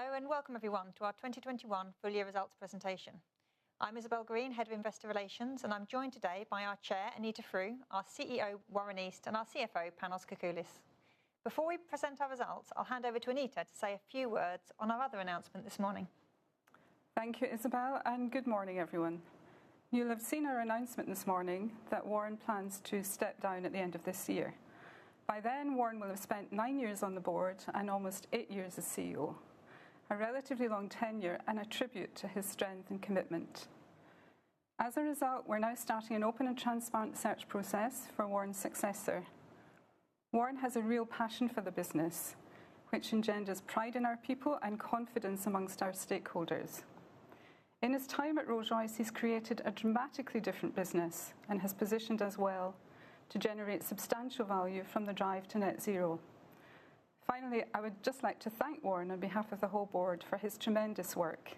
Hello, and welcome everyone to our 2021 full year results presentation. I'm Isabel Green, Head of Investor Relations, and I'm joined today by our Chair, Anita Frew, our CEO, Warren East, and our CFO, Panos Kakoullis. Before we present our results, I'll hand over to Anita to say a few words on our other announcement this morning. Thank you, Isabel, and good morning, everyone. You'll have seen our announcement this morning that Warren plans to step down at the end of this year. By then, Warren will have spent nine years on the board and almost eight years as CEO. A relatively long tenure and a tribute to his strength and commitment. As a result, we're now starting an open and transparent search process for Warren's successor. Warren has a real passion for the business, which engenders pride in our people and confidence amongst our stakeholders. In his time at Rolls-Royce, he's created a dramatically different business and has positioned us well to generate substantial value from the drive to net zero. Finally, I would just like to thank Warren on behalf of the whole board for his tremendous work.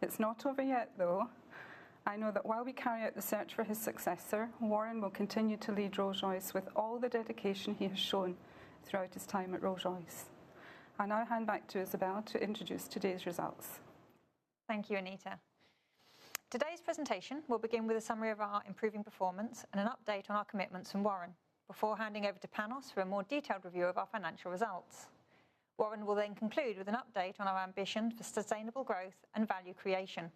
It's not over yet, though. I know that while we carry out the search for his successor, Warren will continue to lead Rolls-Royce with all the dedication he has shown throughout his time at Rolls-Royce. I now hand back to Isabel to introduce today's results. Thank you, Anita. Today's presentation will begin with a summary of our improving performance and an update on our commitments from Warren before handing over to Panos for a more detailed review of our financial results. Warren will then conclude with an update on our ambition for sustainable growth and value creation.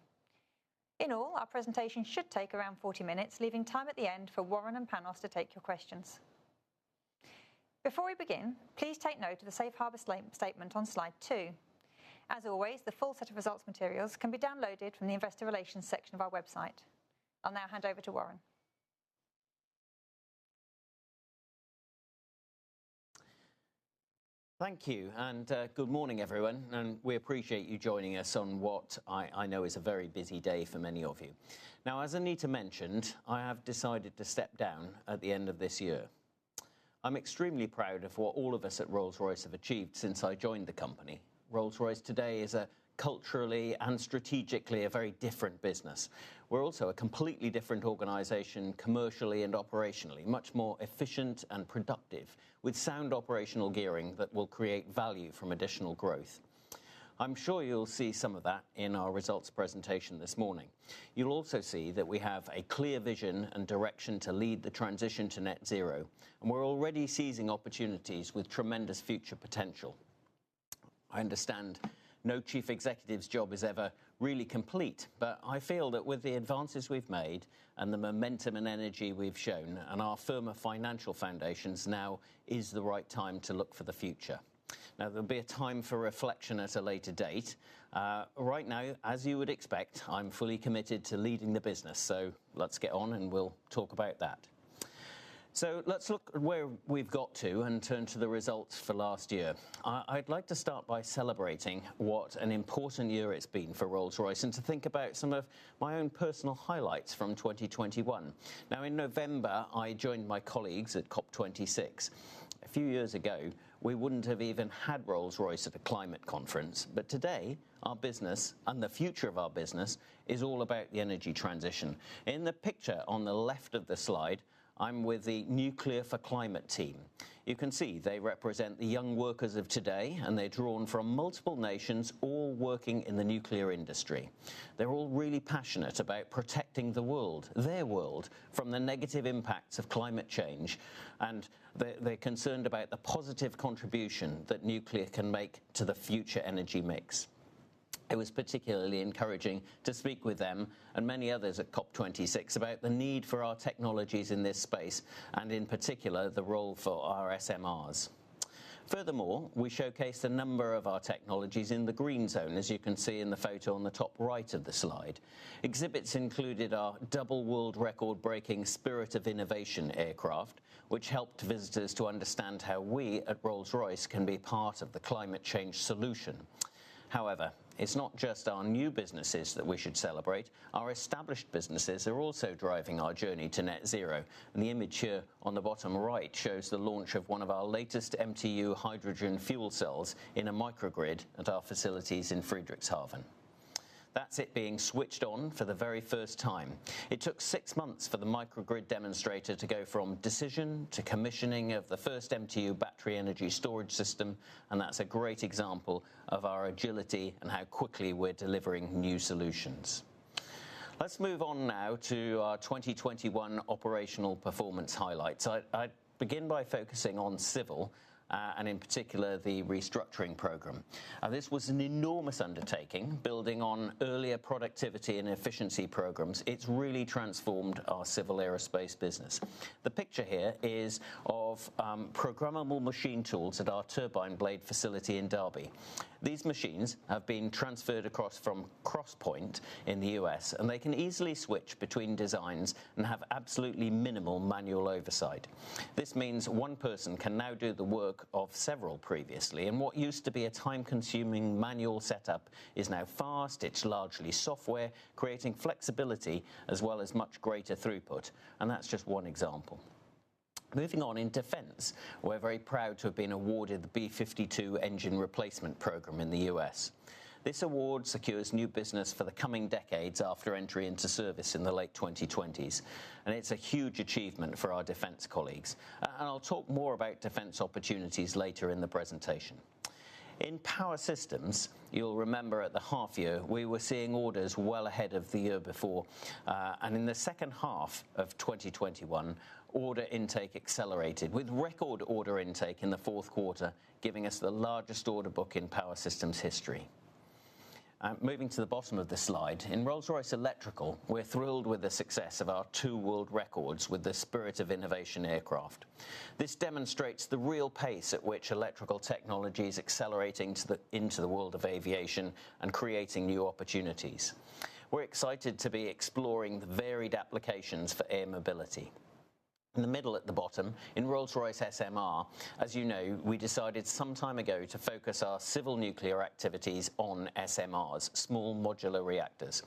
In all, our presentation should take around 40 minutes, leaving time at the end for Warren and Panos to take your questions. Before we begin, please take note of the safe harbor statement on slide 2. As always, the full set of results materials can be downloaded from the investor relations section of our website. I'll now hand over to Warren. Thank you, and good morning, everyone, and we appreciate you joining us on what I know is a very busy day for many of you. Now, as Anita mentioned, I have decided to step down at the end of this year. I'm extremely proud of what all of us at Rolls-Royce have achieved since I joined the company. Rolls-Royce today is a culturally and strategically a very different business. We're also a completely different organization, commercially and operationally, much more efficient and productive, with sound operational gearing that will create value from additional growth. I'm sure you'll see some of that in our results presentation this morning. You'll also see that we have a clear vision and direction to lead the transition to net zero, and we're already seizing opportunities with tremendous future potential. I understand no chief executive's job is ever really complete, but I feel that with the advances we've made and the momentum and energy we've shown and our firmer financial foundations, now is the right time to look for the future. Now, there'll be a time for reflection at a later date. Right now, as you would expect, I'm fully committed to leading the business. Let's get on, and we'll talk about that. Let's look at where we've got to and turn to the results for last year. I'd like to start by celebrating what an important year it's been for Rolls-Royce and to think about some of my own personal highlights from 2021. Now, in November, I joined my colleagues at COP26. A few years ago, we wouldn't have even had Rolls-Royce at a climate conference. Today, our business and the future of our business is all about the energy transition. In the picture on the left of the slide, I'm with the Nuclear for Climate team. You can see they represent the young workers of today, and they're drawn from multiple nations, all working in the nuclear industry. They're all really passionate about protecting the world, their world, from the negative impacts of climate change, and they're concerned about the positive contribution that nuclear can make to the future energy mix. It was particularly encouraging to speak with them and many others at COP26 about the need for our technologies in this space and, in particular, the role for our SMRs. Furthermore, we showcased a number of our technologies in the green zone, as you can see in the photo on the top right of the slide. Exhibits included our double world record-breaking Spirit of Innovation aircraft, which helped visitors to understand how we at Rolls-Royce can be part of the climate change solution. However, it's not just our new businesses that we should celebrate. Our established businesses are also driving our journey to net zero, and the image here on the bottom right shows the launch of one of our latest MTU hydrogen fuel cells in a microgrid at our facilities in Friedrichshafen. That's it being switched on for the very first time. It took six months for the microgrid demonstrator to go from decision to commissioning of the first MTU battery energy storage system, and that's a great example of our agility and how quickly we're delivering new solutions. Let's move on now to our 2021 operational performance highlights. I begin by focusing on civil, and in particular the restructuring program. This was an enormous undertaking, building on earlier productivity and efficiency programs. It's really transformed our Civil Aerospace business. The picture here is of programmable machine tools at our turbine blade facility in Derby. These machines have been transferred across from Crosspointe in the U.S., and they can easily switch between designs and have absolutely minimal manual oversight. This means one person can now do the work of several previously, and what used to be a time-consuming manual setup is now fast. It's largely software, creating flexibility as well as much greater throughput, and that's just one example. Moving on, in Defence, we're very proud to have been awarded the B-52 engine replacement program in the U.S. This award secures new business for the coming decades after entry into service in the late 2020s, and it's a huge achievement for our Defence colleagues. I'll talk more about defense opportunities later in the presentation. In Power Systems, you'll remember at the half year, we were seeing orders well ahead of the year before. In the H2 of 2021, order intake accelerated, with record order intake in the Q4, giving us the largest order book in Power Systems history. Moving to the bottom of the slide. In Rolls-Royce Electrical, we're thrilled with the success of our two world records with the Spirit of Innovation aircraft. This demonstrates the real pace at which electrical technology is accelerating into the world of aviation and creating new opportunities. We're excited to be exploring the varied applications for air mobility. In the middle at the bottom, in Rolls-Royce SMR, as you know, we decided some time ago to focus our civil nuclear activities on SMRs, small modular reactors.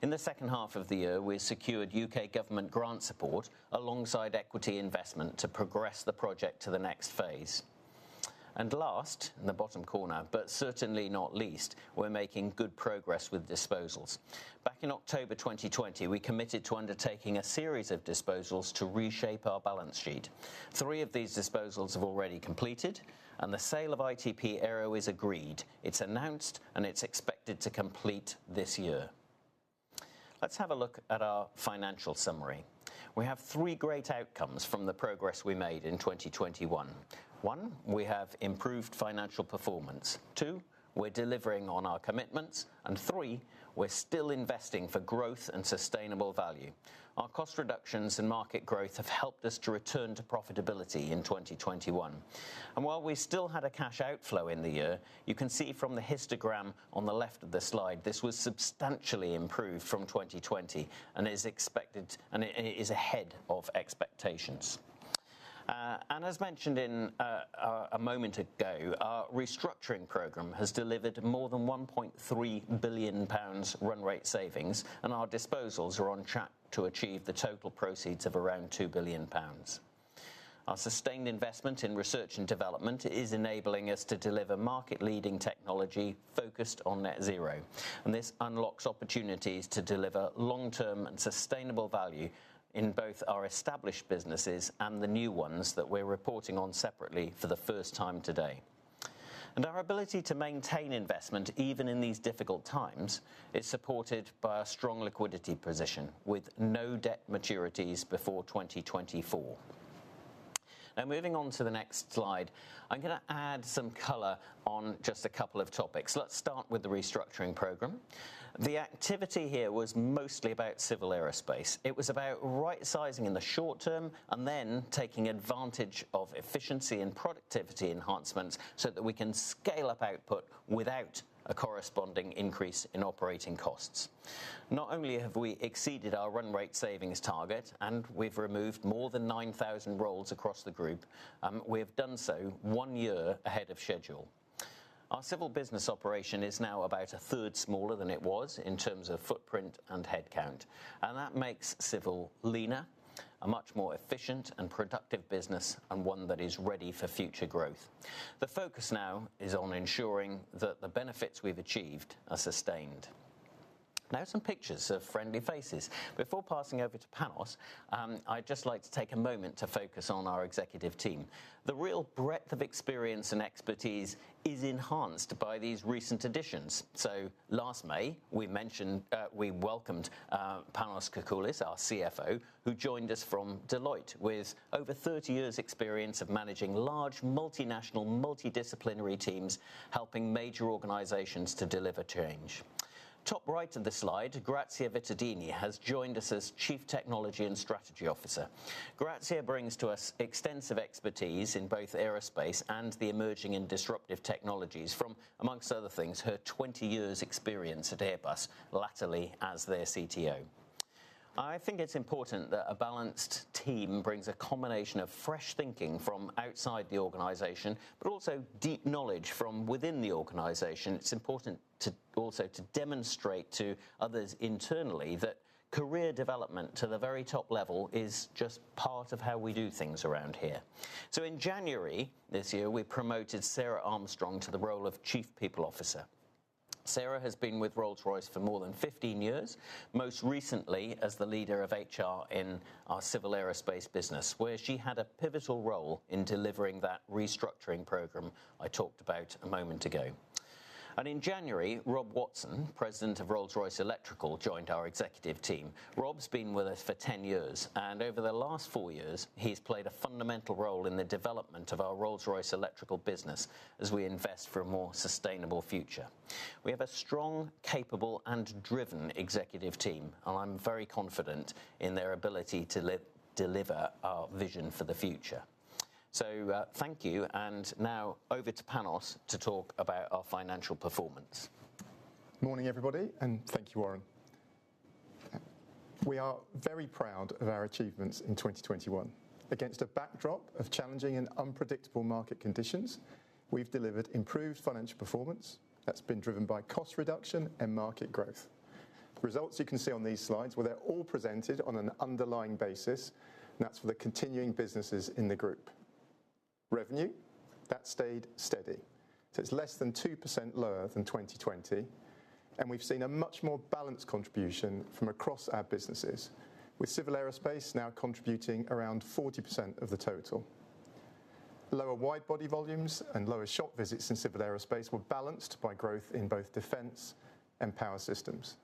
In the H2 of the year, we secured U.K. government grant support alongside equity investment to progress the project to the next phase. Last, in the bottom corner, but certainly not least, we're making good progress with disposals. Back in October 2020, we committed to undertaking a series of disposals to reshape our balance sheet. Three of these disposals have already completed, and the sale of ITP Aero is agreed, it's announced, and it's expected to complete this year. Let's have a look at our financial summary. We have three great outcomes from the progress we made in 2021. One, we have improved financial performance. Two, we're delivering on our commitments. Three, we're still investing for growth and sustainable value. Our cost reductions and market growth have helped us to return to profitability in 2021. While we still had a cash outflow in the year, you can see from the histogram on the left of the slide, this was substantially improved from 2020 and is expected and it is ahead of expectations. As mentioned a moment ago, our restructuring program has delivered more than 1.3 billion pounds run rate savings, and our disposals are on track to achieve the total proceeds of around 2 billion pounds. Our sustained investment in research and development is enabling us to deliver market-leading technology focused on net zero, and this unlocks opportunities to deliver long-term and sustainable value in both our established businesses and the new ones that we're reporting on separately for the first time today. Our ability to maintain investment, even in these difficult times, is supported by a strong liquidity position with no debt maturities before 2024. Now, moving on to the next slide. I'm gonna add some color on just a couple of topics. Let's start with the restructuring program. The activity here was mostly about Civil Aerospace. It was about right-sizing in the short term and then taking advantage of efficiency and productivity enhancements so that we can scale up output without a corresponding increase in operating costs. Not only have we exceeded our run rate savings target, and we've removed more than 9,000 roles across the group, we have done so one year ahead of schedule. Our civil business operation is now about a third smaller than it was in terms of footprint and headcount, and that makes civil leaner, a much more efficient and productive business, and one that is ready for future growth. The focus now is on ensuring that the benefits we've achieved are sustained. Now, some pictures of friendly faces. Before passing over to Panos, I'd just like to take a moment to focus on our executive team. The real breadth of experience and expertise is enhanced by these recent additions. Last May, we mentioned, we welcomed, Panos Kakoullis, our CFO, who joined us from Deloitte with over 30 years experience of managing large multinational, multidisciplinary teams, helping major organizations to deliver change. Top right of the slide, Grazia Vittadini has joined us as Chief Technology and Strategy Officer. Grazia brings to us extensive expertise in both aerospace and the emerging and disruptive technologies from, among other things, her 20 years experience at Airbus, latterly as their CTO. I think it's important that a balanced team brings a combination of fresh thinking from outside the organization, but also deep knowledge from within the organization. It's important to also demonstrate to others internally that career development to the very top level is just part of how we do things around here. In January this year, we promoted Sarah Armstrong to the role of Chief People Officer. Sarah has been with Rolls-Royce for more than 15 years, most recently as the leader of HR in our Civil Aerospace business, where she had a pivotal role in delivering that restructuring program I talked about a moment ago. In January, Rob Watson, President of Rolls-Royce Electrical, joined our executive team. Rob's been with us for 10 years, and over the last four years, he's played a fundamental role in the development of our Rolls-Royce Electrical business as we invest for a more sustainable future. We have a strong, capable, and driven executive team, and I'm very confident in their ability to deliver our vision for the future. Thank you, and now over to Panos to talk about our financial performance. Morning, everybody, and thank you, Warren. We are very proud of our achievements in 2021. Against a backdrop of challenging and unpredictable market conditions, we've delivered improved financial performance that's been driven by cost reduction and market growth. The results you can see on these slides, where they're all presented on an underlying basis, and that's for the continuing businesses in the group. Revenue, that stayed steady, so it's less than 2% lower than 2020. We've seen a much more balanced contribution from across our businesses, with Civil Aerospace now contributing around 40% of the total. Lower widebody volumes and lower shop visits in Civil Aerospace were balanced by growth in both Defence and Power Systems.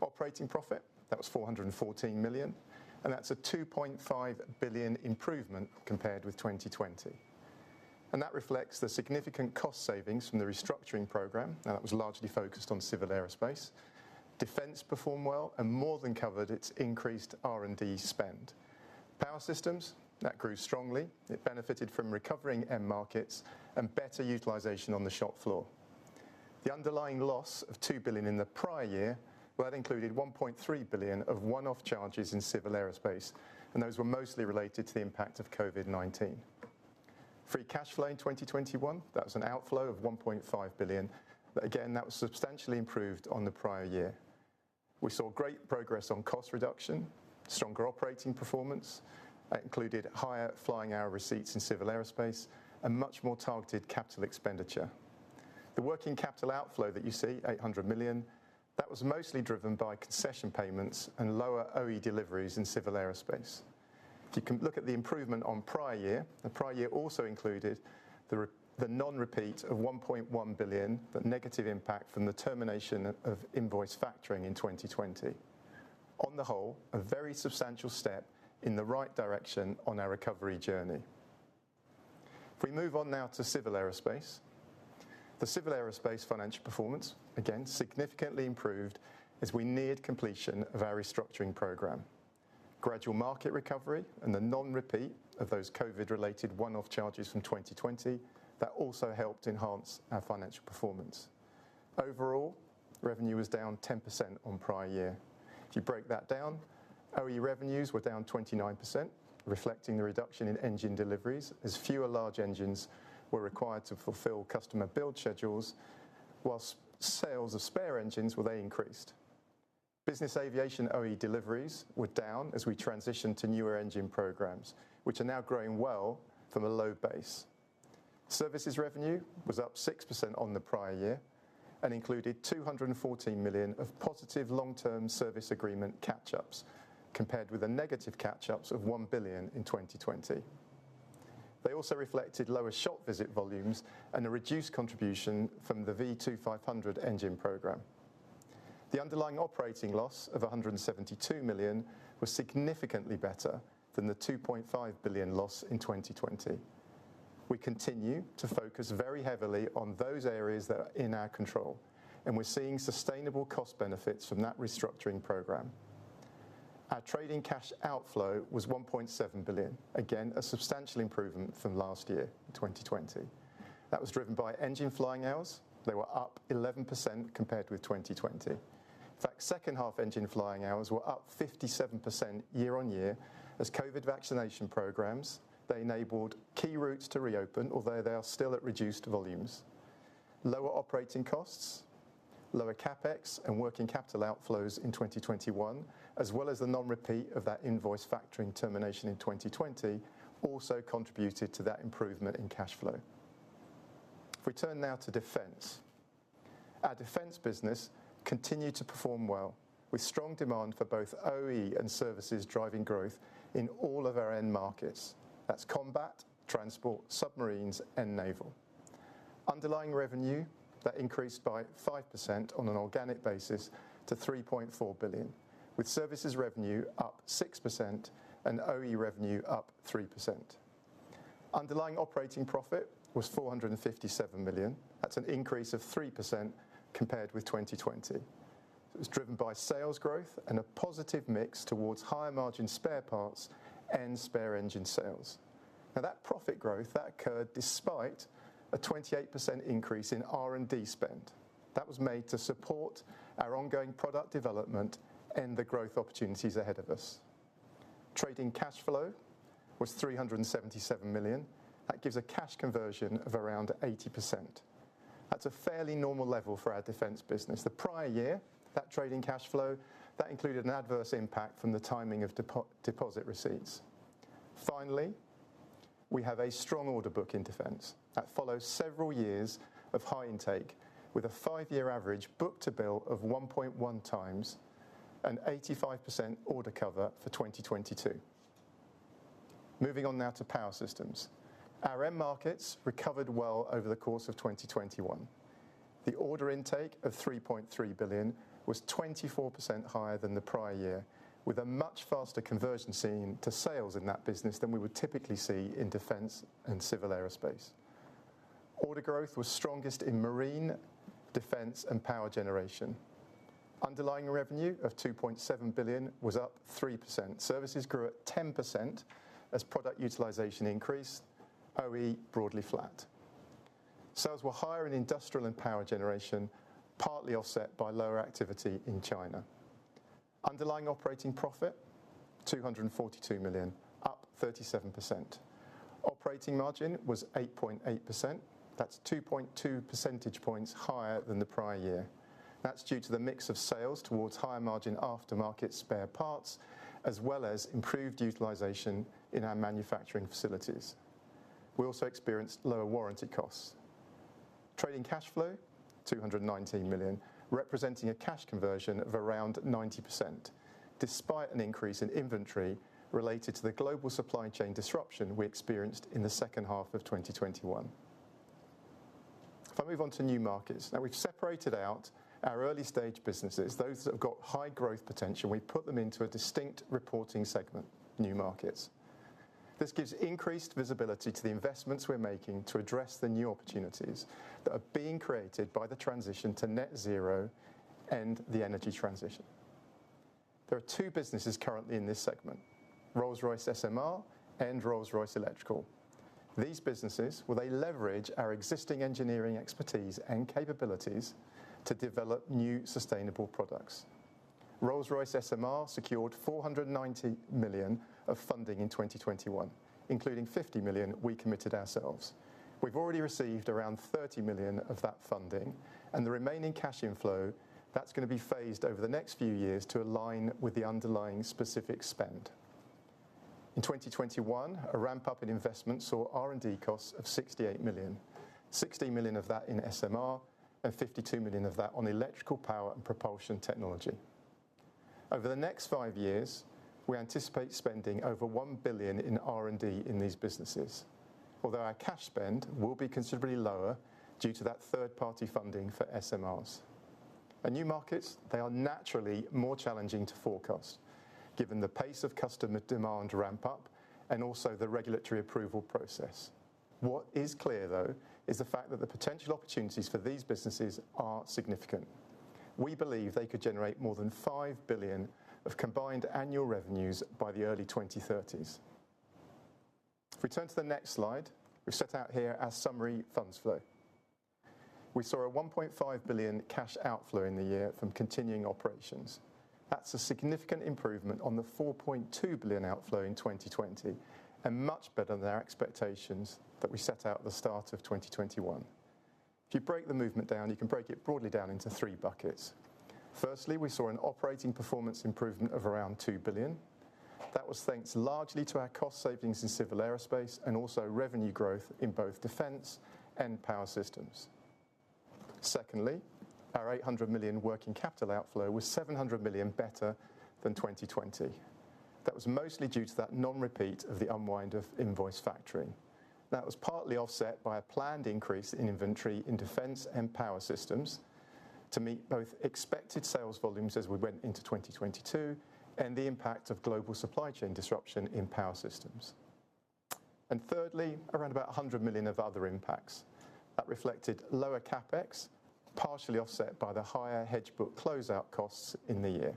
Operating profit, that was 414 million, and that's a 2.5 billion improvement compared with 2020. That reflects the significant cost savings from the restructuring program. Now that was largely focused on Civil Aerospace. Defence performed well and more than covered its increased R&D spend. Power Systems, that grew strongly. It benefited from recovering end markets and better utilization on the shop floor. The underlying loss of 2 billion in the prior year, well, that included 1.3 billion of one-off charges in Civil Aerospace, and those were mostly related to the impact of COVID-19. Free cash flow in 2021, that was an outflow of 1.5 billion. Again, that was substantially improved on the prior year. We saw great progress on cost reduction, stronger operating performance that included higher flying hour receipts in Civil Aerospace and much more targeted capital expenditure. The working capital outflow that you see, 800 million, that was mostly driven by concession payments and lower OE deliveries in Civil Aerospace. If you can look at the improvement on prior year, the prior year also included the non-repeat of 1.1 billion, but negative impact from the termination of invoice factoring in 2020. On the whole, a very substantial step in the right direction on our recovery journey. If we move on now to Civil Aerospace. The Civil Aerospace financial performance, again, significantly improved as we neared completion of our restructuring program. Gradual market recovery and the non-repeat of those COVID-related one-off charges from 2020, that also helped enhance our financial performance. Overall, revenue was down 10% on prior year. If you break that down, OE revenues were down 29%, reflecting the reduction in engine deliveries as fewer large engines were required to fulfill customer build schedules, while sales of spare engines, well, they increased. Business aviation OE deliveries were down as we transitioned to newer engine programs, which are now growing well from a low base. Services revenue was up 6% on the prior year and included 214 million of positive long-term service agreement catch-ups, compared with the negative catch-ups of 1 billion in 2020. They also reflected lower shop visit volumes and a reduced contribution from the V2500 engine program. The underlying operating loss of 172 million was significantly better than the 2.5 billion loss in 2020. We continue to focus very heavily on those areas that are in our control, and we're seeing sustainable cost benefits from that restructuring program. Our trading cash outflow was 1.7 billion. Again, a substantial improvement from last year, 2020. That was driven by engine flying hours. They were up 11% compared with 2020. In fact, H2 engine flying hours were up 57% year-on-year as COVID vaccination programs they enabled key routes to reopen, although they are still at reduced volumes. Lower operating costs, lower CapEx and working capital outflows in 2021, as well as the non-repeat of that invoice factoring termination in 2020 also contributed to that improvement in cash flow. If we turn now to Defence. Our Defence business continued to perform well with strong demand for both OE and services driving growth in all of our end markets. That's combat, transport, submarines, and naval. Underlying revenue, that increased by 5% on an organic basis to 3.4 billion, with services revenue up 6% and OE revenue up 3%. Underlying operating profit was 457 million. That's an increase of 3% compared with 2020. It was driven by sales growth and a positive mix towards higher margin spare parts and spare engine sales. Now that profit growth, that occurred despite a 28% increase in R&D spend. That was made to support our ongoing product development and the growth opportunities ahead of us. Trading cash flow was 377 million. That gives a cash conversion of around 80%. That's a fairly normal level for our Defense business. The prior year, that trading cash flow, that included an adverse impact from the timing of deposit receipts. Finally, we have a strong order book in Defence that follows several years of high intake with a 5-year average book to bill of 1.1x and 85% order cover for 2022. Moving on now to Power Systems. Our end markets recovered well over the course of 2021. The order intake of 3.3 billion was 24% higher than the prior year, with a much faster conversion seen to sales in that business than we would typically see in Defence and Civil Aerospace. Order growth was strongest in marine, defense, and power generation. Underlying revenue of 2.7 billion was up 3%. Services grew at 10% as product utilization increased, OE broadly flat. Sales were higher in industrial and power generation, partly offset by lower activity in China. Underlying operating profit, 242 million, up 37%. Operating margin was 8.8%. That's 2.2 percentage points higher than the prior year. That's due to the mix of sales towards higher margin aftermarket spare parts, as well as improved utilization in our manufacturing facilities. We also experienced lower warranty costs. Trading cash flow, 219 million, representing a cash conversion of around 90%, despite an increase in inventory related to the global supply chain disruption we experienced in the H2 of 2021. If I move on to New Markets. Now we've separated out our early-stage businesses, those that have got high growth potential, and we've put them into a distinct reporting segment, New Markets. This gives increased visibility to the investments we're making to address the new opportunities that are being created by the transition to net zero and the energy transition. There are two businesses currently in this segment, Rolls-Royce SMR and Rolls-Royce Electrical. These businesses, well, they leverage our existing engineering expertise and capabilities to develop new sustainable products. Rolls-Royce SMR secured 490 million of funding in 2021, including 50 million we committed ourselves. We've already received around 30 million of that funding and the remaining cash inflow, that's gonna be phased over the next few years to align with the underlying specific spend. In 2021, a ramp-up in investment saw R&D costs of 68 million, 60 million of that in SMR, and 52 million of that on electrical power and propulsion technology. Over the next five years, we anticipate spending over 1 billion in R&D in these businesses, although our cash spend will be considerably lower due to that third-party funding for SMRs. New Markets, they are naturally more challenging to forecast given the pace of customer demand ramp up and also the regulatory approval process. What is clear though is the fact that the potential opportunities for these businesses are significant. We believe they could generate more than 5 billion of combined annual revenues by the early 2030s. If we turn to the next slide, we've set out here our summary funds flow. We saw a 1.5 billion cash outflow in the year from continuing operations. That's a significant improvement on the 4.2 billion outflow in 2020 and much better than our expectations that we set out at the start of 2021. If you break the movement down, you can break it broadly down into three buckets. Firstly, we saw an operating performance improvement of around 2 billion. That was thanks largely to our cost savings in Civil Aerospace and also revenue growth in both Defence and Power Systems. Secondly, our 800 million working capital outflow was 700 million better than 2020. That was mostly due to that non-repeat of the unwind of invoice factoring. That was partly offset by a planned increase in inventory in Defence and Power Systems to meet both expected sales volumes as we went into 2022 and the impact of global supply chain disruption in Power Systems. Thirdly, around about 100 million of other impacts that reflected lower CapEx, partially offset by the higher hedge book closeout costs in the year.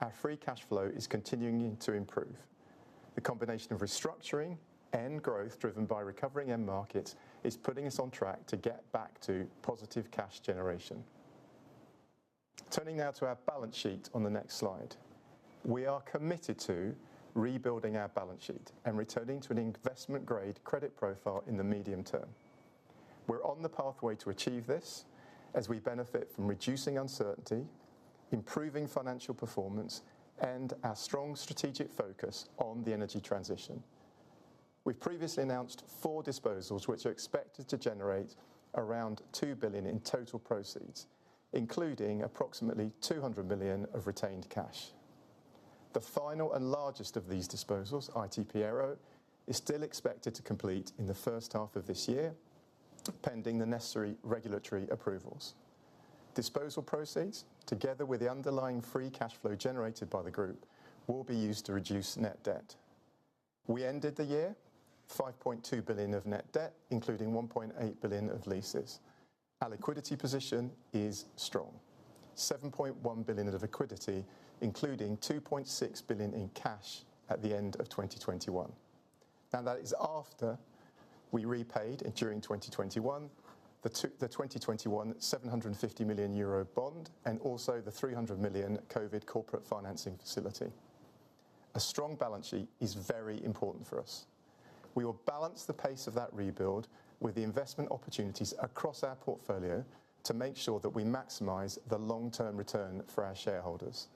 Our free cash flow is continuing to improve. The combination of restructuring and growth driven by recovering end markets is putting us on track to get back to positive cash generation. Turning now to our balance sheet on the next slide. We are committed to rebuilding our balance sheet and returning to an investment-grade credit profile in the medium term. We're on the pathway to achieve this as we benefit from reducing uncertainty, improving financial performance, and our strong strategic focus on the energy transition. We've previously announced four disposals, which are expected to generate around 2 billion in total proceeds, including approximately 200 million of retained cash. The final and largest of these disposals, ITP Aero, is still expected to complete in the H1 of this year, pending the necessary regulatory approvals. Disposal proceeds, together with the underlying free cash flow generated by the group, will be used to reduce net debt. We ended the year with 5.2 billion of net debt, including 1.8 billion of leases. Our liquidity position is strong. 7.1 billion of liquidity, including 2.6 billion in cash at the end of 2021. Now, that is after we repaid during 2021, the 2021 750 million euro bond and also the 300 million Covid Corporate Financing Facility. A strong balance sheet is very important for us. We will balance the pace of that rebuild with the investment opportunities across our portfolio to make sure that we maximize the long-term return for our shareholders.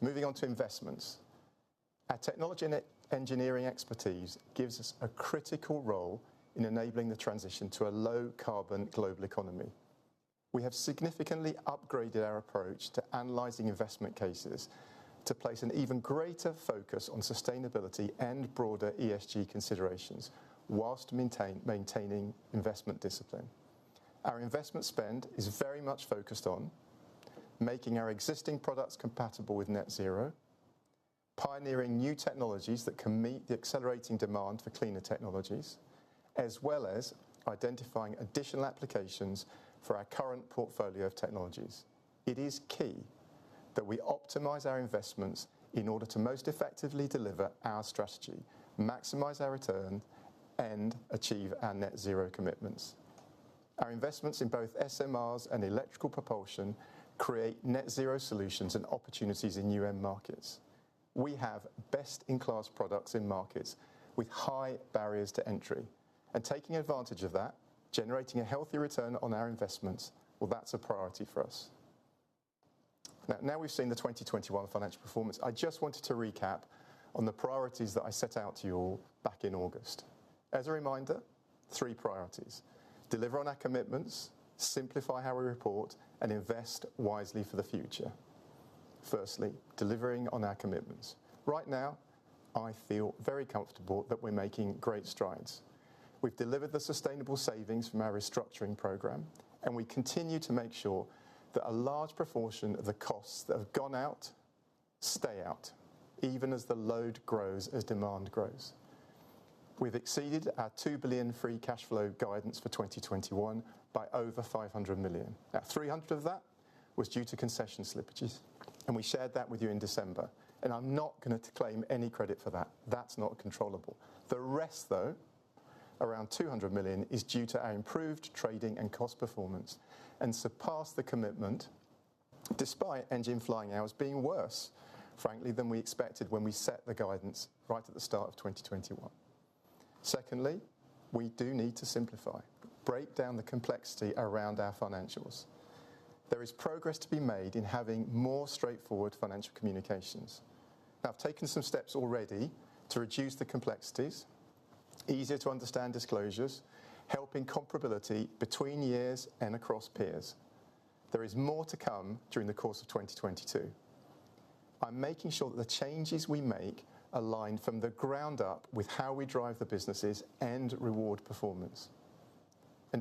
Moving on to investments. Our technology and engineering expertise gives us a critical role in enabling the transition to a low carbon global economy. We have significantly upgraded our approach to analyzing investment cases, to place an even greater focus on sustainability and broader ESG considerations whilst maintaining investment discipline. Our investment spend is very much focused on making our existing products compatible with net zero, pioneering new technologies that can meet the accelerating demand for cleaner technologies, as well as identifying additional applications for our current portfolio of technologies. It is key that we optimize our investments in order to most effectively deliver our strategy, maximize our return, and achieve our net zero commitments. Our investments in both SMRs and electrical propulsion create net zero solutions and opportunities in new end markets. We have best-in-class products in markets with high barriers to entry. Taking advantage of that, generating a healthy return on our investments, well, that's a priority for us. Now we've seen the 2021 financial performance, I just wanted to recap on the priorities that I set out to you all back in August. As a reminder, three priorities. Deliver on our commitments, simplify how we report, and invest wisely for the future. Firstly, delivering on our commitments. Right now, I feel very comfortable that we're making great strides. We've delivered the sustainable savings from our restructuring program, and we continue to make sure that a large proportion of the costs that have gone out stay out, even as the load grows, as demand grows. We've exceeded our 2 billion free cash flow guidance for 2021 by over 500 million. Now 300 million of that was due to concession slippages, and we shared that with you in December, and I'm not gonna claim any credit for that. That's not controllable. The rest though, around 200 million, is due to our improved trading and cost performance and surpassed the commitment despite engine flying hours being worse, frankly, than we expected when we set the guidance right at the start of 2021. Secondly, we do need to simplify. Break down the complexity around our financials. There is progress to be made in having more straightforward financial communications. I've taken some steps already to reduce the complexities, easier to understand disclosures, helping comparability between years and across peers. There is more to come during the course of 2022. I'm making sure that the changes we make align from the ground up with how we drive the businesses and reward performance.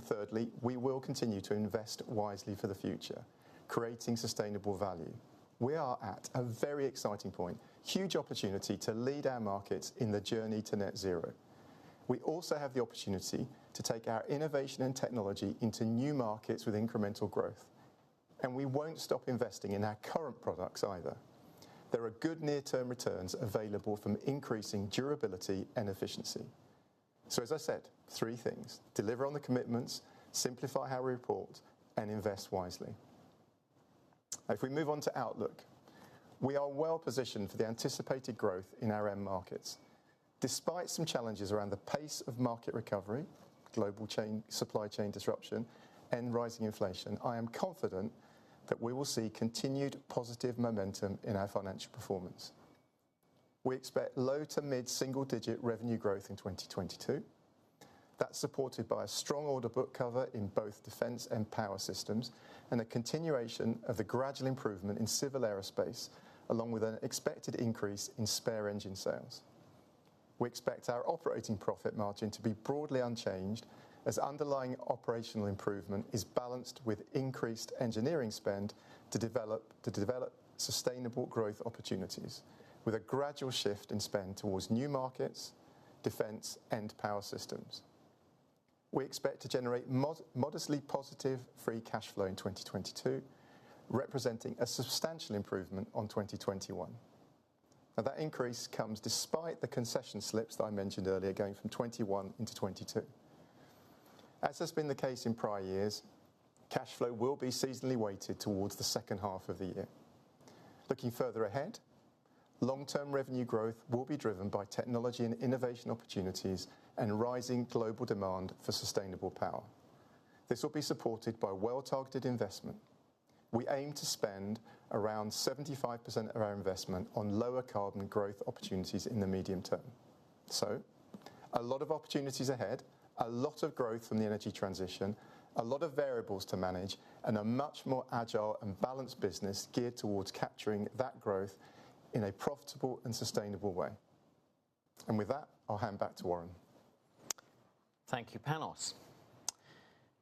Thirdly, we will continue to invest wisely for the future, creating sustainable value. We are at a very exciting point. Huge opportunity to lead our markets in the journey to net zero. We also have the opportunity to take our innovation and technology into new markets with incremental growth, and we won't stop investing in our current products either. There are good near-term returns available from increasing durability and efficiency. As I said, three things: deliver on the commitments, simplify how we report, and invest wisely. If we move on to outlook, we are well positioned for the anticipated growth in our end markets. Despite some challenges around the pace of market recovery, global supply chain disruption, and rising inflation, I am confident that we will see continued positive momentum in our financial performance. We expect low- to mid-single-digit percent revenue growth in 2022. That's supported by a strong order book coverage in both Defence and Power Systems and a continuation of the gradual improvement in Civil Aerospace, along with an expected increase in spare engine sales. We expect our operating profit margin to be broadly unchanged as underlying operational improvement is balanced with increased engineering spend to develop sustainable growth opportunities with a gradual shift in spend towards New Markets, Defence, and Power Systems. We expect to generate modestly positive free cash flow in 2022, representing a substantial improvement on 2021. That increase comes despite the concession slips that I mentioned earlier, going from 2021 into 2022. Cash flow will be seasonally weighted towards the H2 of the year. Looking further ahead, long-term revenue growth will be driven by technology and innovation opportunities and rising global demand for sustainable power. This will be supported by well-targeted investment. We aim to spend around 75% of our investment on lower carbon growth opportunities in the medium term. A lot of opportunities ahead, a lot of growth from the energy transition, a lot of variables to manage, and a much more agile and balanced business geared towards capturing that growth in a profitable and sustainable way. With that, I'll hand back to Warren. Thank you, Panos.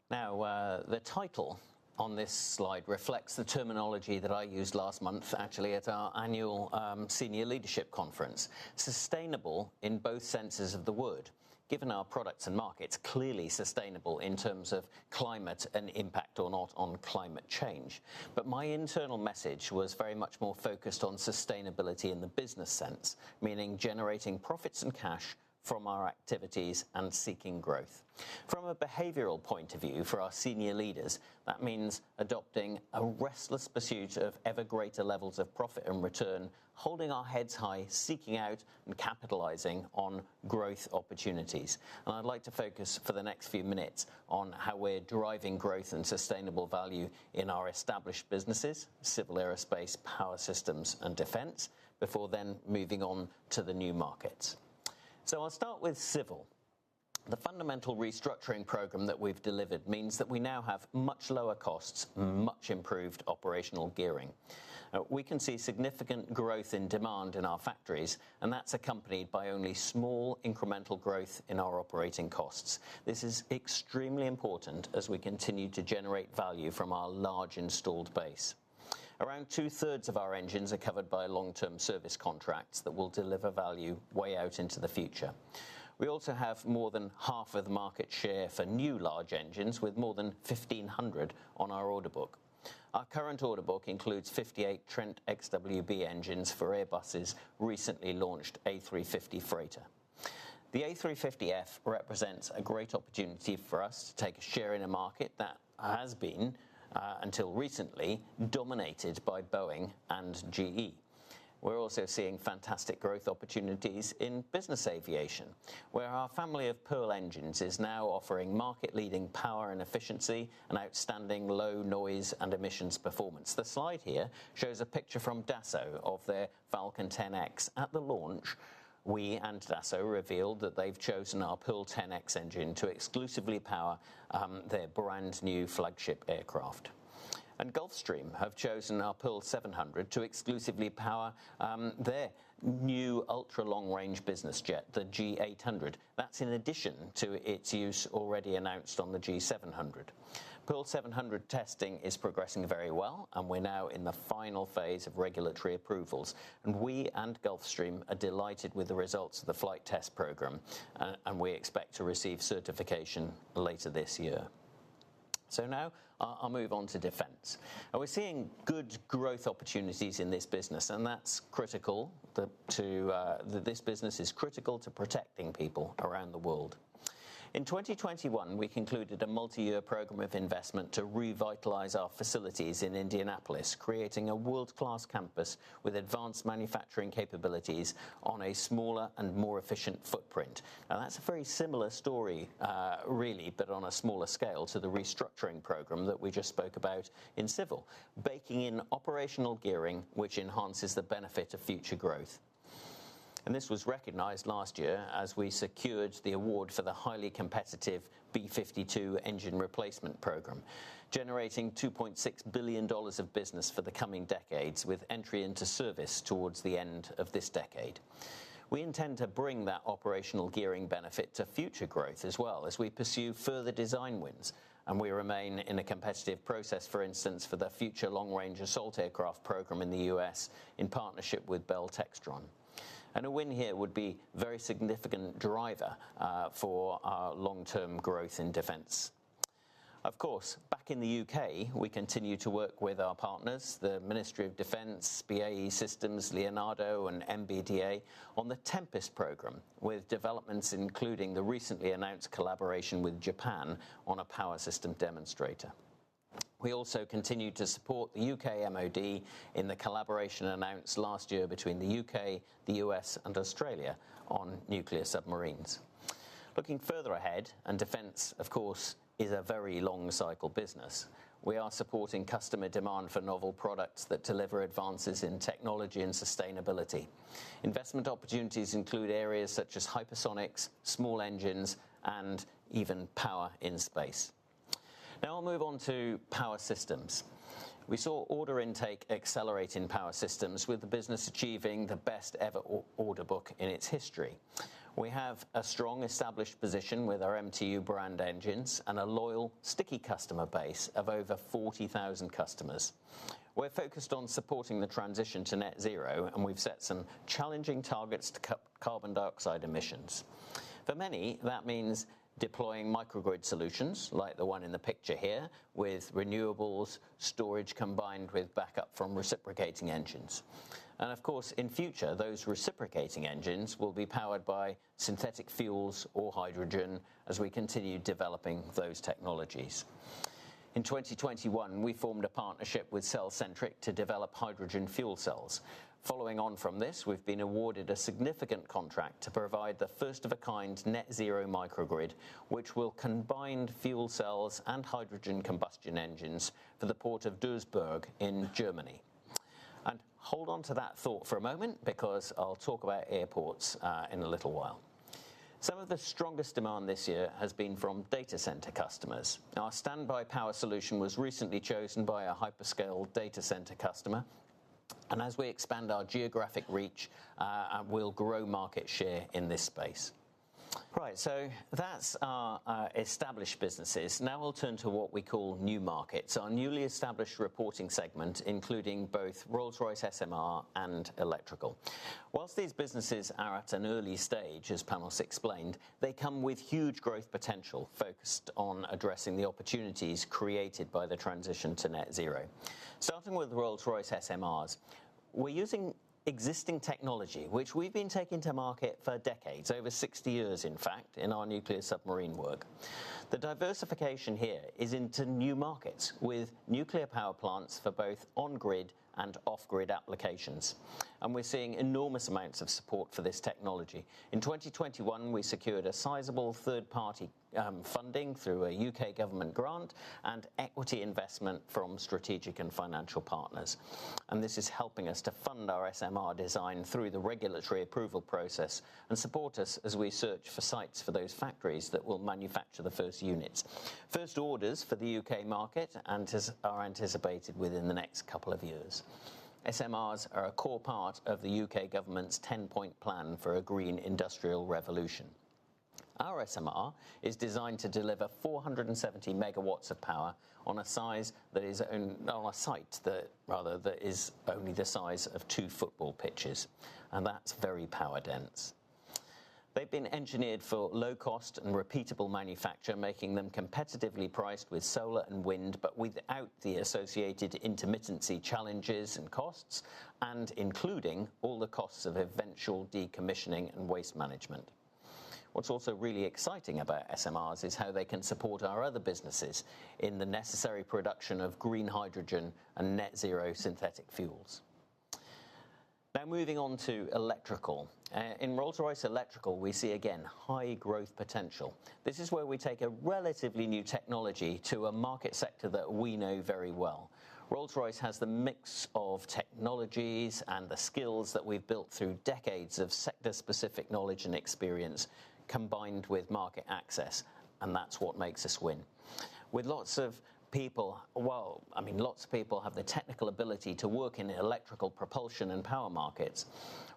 Now, the title on this slide reflects the terminology that I used last month, actually, at our annual senior leadership conference. Sustainable in both senses of the word, given our products and markets, clearly sustainable in terms of climate and impact or not on climate change. But my internal message was very much more focused on sustainability in the business sense, meaning generating profits and cash from our activities and seeking growth. From a behavioral point of view for our senior leaders, that means adopting a restless pursuit of ever greater levels of profit and return, holding our heads high, seeking out and capitalizing on growth opportunities. I'd like to focus for the next few minutes on how we're driving growth and sustainable value in our established businesses, Civil Aerospace, Power Systems, and Defence, before then moving on to the New Markets. I'll start with Civil. The fundamental restructuring program that we've delivered means that we now have much lower costs, much improved operational gearing. We can see significant growth in demand in our factories, and that's accompanied by only small incremental growth in our operating costs. This is extremely important as we continue to generate value from our large installed base. Around 2/3 of our engines are covered by long-term service contracts that will deliver value way out into the future. We also have more than half of the market share for new large engines, with more than 1,500 on our order book. Our current order book includes 58 Trent XWB engines for Airbus's recently launched A350 freighter. The A350F represents a great opportunity for us to take a share in a market that has been until recently dominated by Boeing and GE. We're also seeing fantastic growth opportunities in business aviation, where our family of Pearl engines is now offering market-leading power and efficiency and outstanding low noise and emissions performance. The slide here shows a picture from Dassault of their Falcon 10X. At the launch, we and Dassault revealed that they've chosen our Pearl 10X engine to exclusively power their brand new flagship aircraft. Gulfstream have chosen our Pearl 700 to exclusively power their new ultra-long-range business jet, the G800. That's in addition to its use already announced on the G700. Pearl 700 testing is progressing very well, and we're now in the final phase of regulatory approvals. We and Gulfstream are delighted with the results of the flight test program, and we expect to receive certification later this year. Now I'll move on to defense. We're seeing good growth opportunities in this business, and that's critical, this business is critical to protecting people around the world. In 2021, we concluded a multi-year program of investment to revitalize our facilities in Indianapolis, creating a world-class campus with advanced manufacturing capabilities on a smaller and more efficient footprint. Now that's a very similar story, really, but on a smaller scale to the restructuring program that we just spoke about in civil, baking in operational gearing, which enhances the benefit of future growth. This was recognized last year as we secured the award for the highly competitive B-52 engine replacement program, generating $2.6 billion of business for the coming decades, with entry into service towards the end of this decade. We intend to bring that operational gearing benefit to future growth as well as we pursue further design wins, and we remain in a competitive process, for instance, for the future long-range assault aircraft program in the U.S. in partnership with Bell Textron. A win here would be very significant driver for our long-term growth in defense. Of course, back in the U.K., we continue to work with our partners, the Ministry of Defence, BAE Systems, Leonardo and MBDA on the Tempest program, with developments including the recently announced collaboration with Japan on a power system demonstrator. We also continue to support the U.K. MOD in the collaboration announced last year between the U.K., the U.S. and Australia on nuclear submarines. Looking further ahead, Defence, of course, is a very long cycle business. We are supporting customer demand for novel products that deliver advances in technology and sustainability. Investment opportunities include areas such as hypersonics, small engines and even power in space. Now I'll move on to Power Systems. We saw order intake accelerate in Power Systems, with the business achieving the best ever order book in its history. We have a strong established position with our MTU brand engines and a loyal, sticky customer base of over 40,000 customers. We're focused on supporting the transition to net zero, and we've set some challenging targets to cut carbon dioxide emissions. For many, that means deploying microgrid solutions like the one in the picture here, with renewables, storage, combined with backup from reciprocating engines. Of course, in future, those reciprocating engines will be powered by synthetic fuels or hydrogen as we continue developing those technologies. In 2021, we formed a partnership with cellcentric to develop hydrogen fuel cells. Following on from this, we've been awarded a significant contract to provide the first of a kind net zero microgrid, which will combine fuel cells and hydrogen combustion engines for the Port of Duisburg in Germany. Hold on to that thought for a moment because I'll talk about airports in a little while. Some of the strongest demand this year has been from data center customers. Now our standby power solution was recently chosen by a hyperscale data center customer, and as we expand our geographic reach, we'll grow market share in this space. Right. So that's our established businesses. Now we'll turn to what we call New Markets. Our newly established reporting segment, including both Rolls-Royce SMR and Electrical. While these businesses are at an early stage, as Panos explained, they come with huge growth potential focused on addressing the opportunities created by the transition to net zero. Starting with the Rolls-Royce SMRs, we're using existing technology, which we've been taking to market for decades, over 60 years, in fact, in our nuclear submarine work. The diversification here is into new markets with nuclear power plants for both on-grid and off-grid applications. We're seeing enormous amounts of support for this technology. In 2021, we secured a sizable third-party funding through a U.K. government grant and equity investment from strategic and financial partners. This is helping us to fund our SMR design through the regulatory approval process and support us as we search for sites for those factories that will manufacture the first units. First orders for the U.K. market are anticipated within the next couple of years. SMRs are a core part of the U.K. government's Ten Point Plan for a Green Industrial Revolution. Our SMR is designed to deliver 470 MW of power on a site that is only the size of two football pitches, and that's very power dense. They've been engineered for low cost and repeatable manufacture, making them competitively priced with solar and wind, but without the associated intermittency challenges and costs, and including all the costs of eventual decommissioning and waste management. What's also really exciting about SMRs is how they can support our other businesses in the necessary production of green hydrogen and net zero synthetic fuels. Now moving on to electrical. In Rolls-Royce Electrical, we see again high growth potential. This is where we take a relatively new technology to a market sector that we know very well. Rolls-Royce has the mix of technologies and the skills that we've built through decades of sector-specific knowledge and experience, combined with market access, and that's what makes us win. With lots of people. Well, I mean, lots of people have the technical ability to work in electrical propulsion and power markets.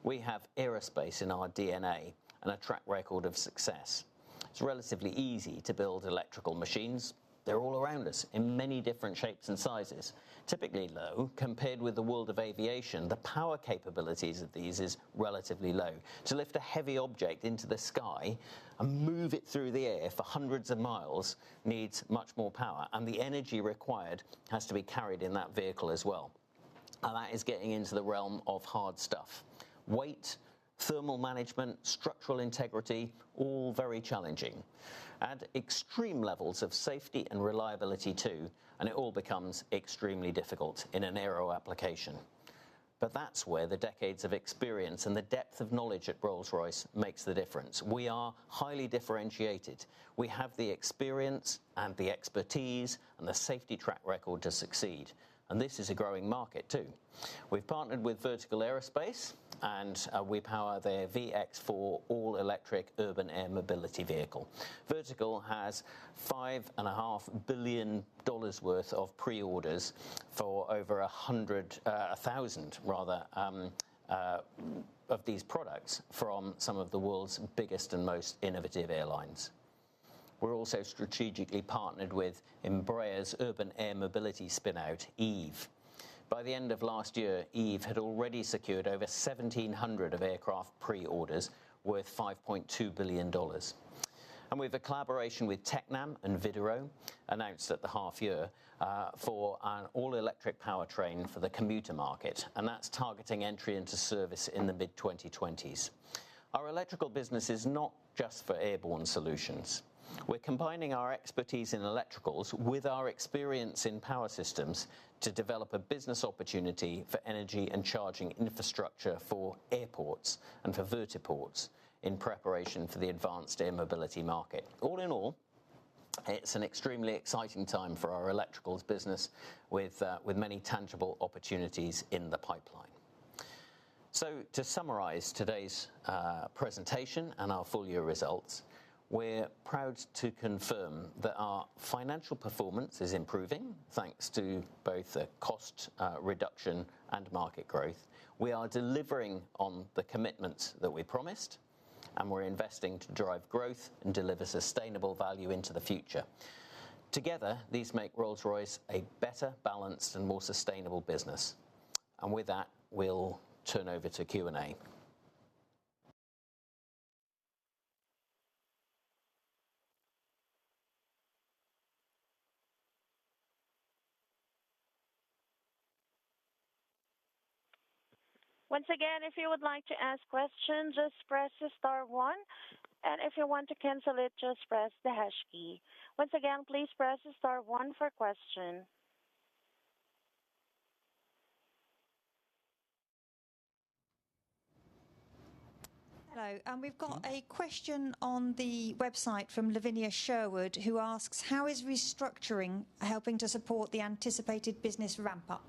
We have aerospace in our DNA and a track record of success. It's relatively easy to build electrical machines. They're all around us in many different shapes and sizes. Typically, though, compared with the world of aviation, the power capabilities of these is relatively low. To lift a heavy object into the sky and move it through the air for hundreds of miles needs much more power, and the energy required has to be carried in that vehicle as well. That is getting into the realm of hard stuff. Weight, thermal management, structural integrity, all very challenging. Add extreme levels of safety and reliability too, and it all becomes extremely difficult in an aero application. That's where the decades of experience and the depth of knowledge at Rolls-Royce makes the difference. We are highly differentiated. We have the experience and the expertise and the safety track record to succeed, and this is a growing market too. We've partnered with Vertical Aerospace, and we power their VX4 all-electric urban air mobility vehicle. Vertical has $5.5 billion worth of pre-orders for over 100,000 of these products from some of the world's biggest and most innovative airlines. We're also strategically partnered with Embraer's urban air mobility spin-out, Eve. By the end of last year, Eve had already secured over 1,700 aircraft pre-orders worth $5.2 billion. We have a collaboration with Tecnam and Widerøe, announced at the half year, for an all-electric powertrain for the commuter market, and that's targeting entry into service in the mid-2020s. Our electrical business is not just for airborne solutions. We're combining our expertise in electricals with our experience in power systems to develop a business opportunity for energy and charging infrastructure for airports and for vertiports in preparation for the advanced air mobility market. All in all, it's an extremely exciting time for our electricals business with many tangible opportunities in the pipeline. To summarize today's presentation and our full year results, we're proud to confirm that our financial performance is improving thanks to both the cost reduction and market growth. We are delivering on the commitments that we promised, and we're investing to drive growth and deliver sustainable value into the future. Together, these make Rolls-Royce a better balanced and more sustainable business. With that, we'll turn over to Q&A. Once again, if you would like to ask questions, just press the star one, and if you want to cancel it, just press the hash key. Once again, please press star one for question. Hello, we've got a question on the website from Lavinia Sherwood, who asks, "How is restructuring helping to support the anticipated business ramp up?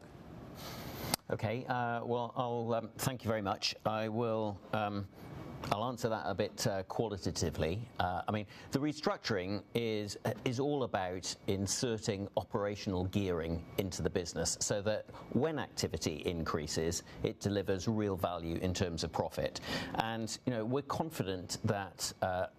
Well, thank you very much. I will answer that a bit qualitatively. I mean, the restructuring is all about inserting operational gearing into the business, so that when activity increases, it delivers real value in terms of profit. You know, we're confident that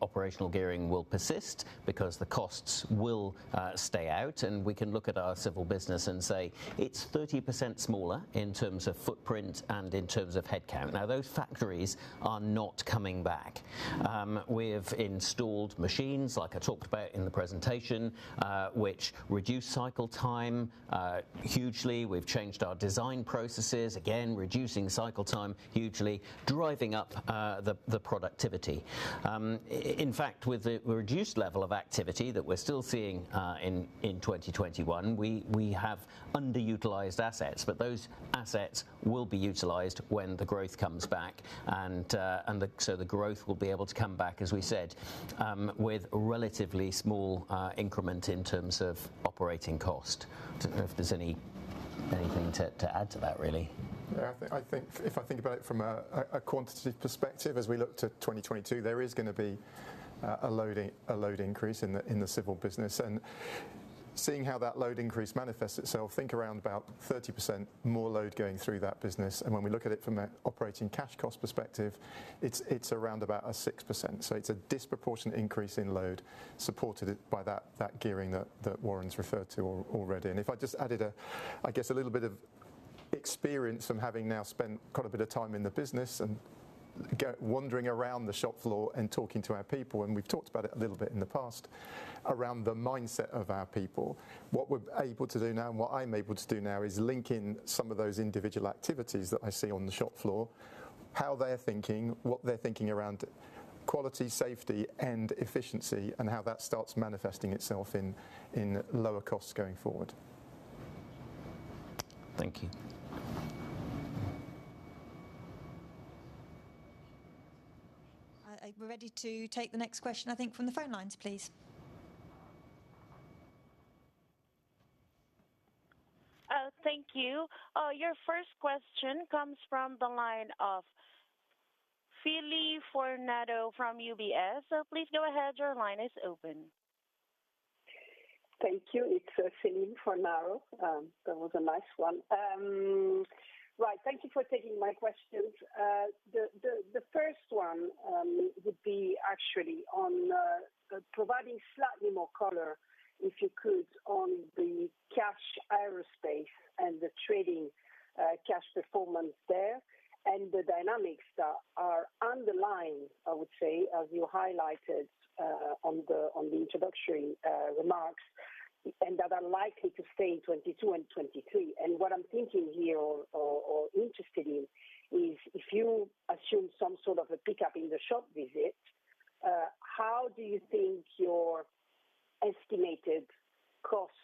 operational gearing will persist because the costs will stay out, and we can look at our civil business and say it's 30% smaller in terms of footprint and in terms of headcount. Now, those factories are not coming back. We've installed machines, like I talked about in the presentation, which reduce cycle time hugely. We've changed our design processes, again, reducing cycle time hugely, driving up the productivity. In fact, with the reduced level of activity that we're still seeing in 2021, we have underutilized assets. Those assets will be utilized when the growth comes back, and so the growth will be able to come back, as we said, with relatively small increment in terms of operating cost. I don't know if there's anything to add to that really. Yeah. I think. If I think about it from a quantitative perspective, as we look to 2022, there is gonna be a load increase in the civil business. Seeing how that load increase manifests itself, think around about 30% more load going through that business. When we look at it from an operating cash cost perspective, it's around about a 6%. It's a disproportionate increase in load supported by that gearing that Warren's referred to already. If I just added a little bit of experience from having now spent quite a bit of time in the business and go wandering around the shop floor and talking to our people, we've talked about it a little bit in the past, around the mindset of our people. What we're able to do now and what I'm able to do now is link in some of those individual activities that I see on the shop floor. How they're thinking, what they're thinking around quality, safety, and efficiency, and how that starts manifesting itself in lower costs going forward. Thank you. We're ready to take the next question, I think, from the phone lines, please. Thank you. Your first question comes from the line of Céline Fornaro from UBS. Please go ahead. Your line is open. Thank you. It's Céline Fornaro. That was a nice one. Right. Thank you for taking my questions. The first one would be actually on providing slightly more color, if you could, on the Civil Aerospace and the trailing cash performance there, and the dynamics that are underlying, I would say, as you highlighted, on the introductory remarks, and that are likely to stay in 2022 and 2023. What I'm thinking here or interested in is if you assume some sort of a pickup in the shop visit, how do you think your estimated costs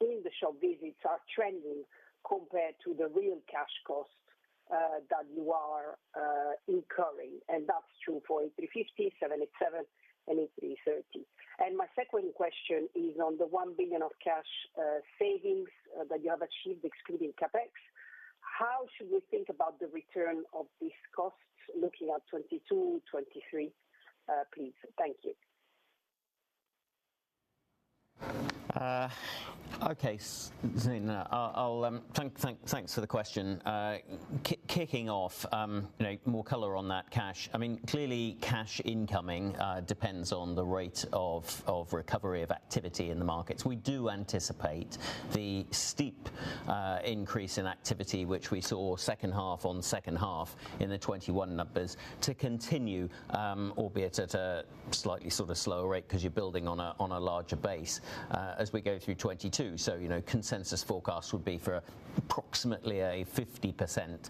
in the shop visits are trending compared to the real cash costs that you are incurring? That's true for A350, 787, and A330. My second question is on the 1 billion of cash savings that you have achieved excluding CapEx. How should we think about the return of these costs looking at 2022, 2023, please? Thank you. Okay, Céline. Thanks for the question. Kicking off, you know, more color on that cash. I mean, clearly cash incoming depends on the rate of recovery of activity in the markets. We do anticipate the steep increase in activity, which we saw H2-on-H2 in the 2021 numbers to continue, albeit at a slightly sort of slower rate, because you're building on a larger base, as we go through 2022. You know, consensus forecast would be for approximately a 50%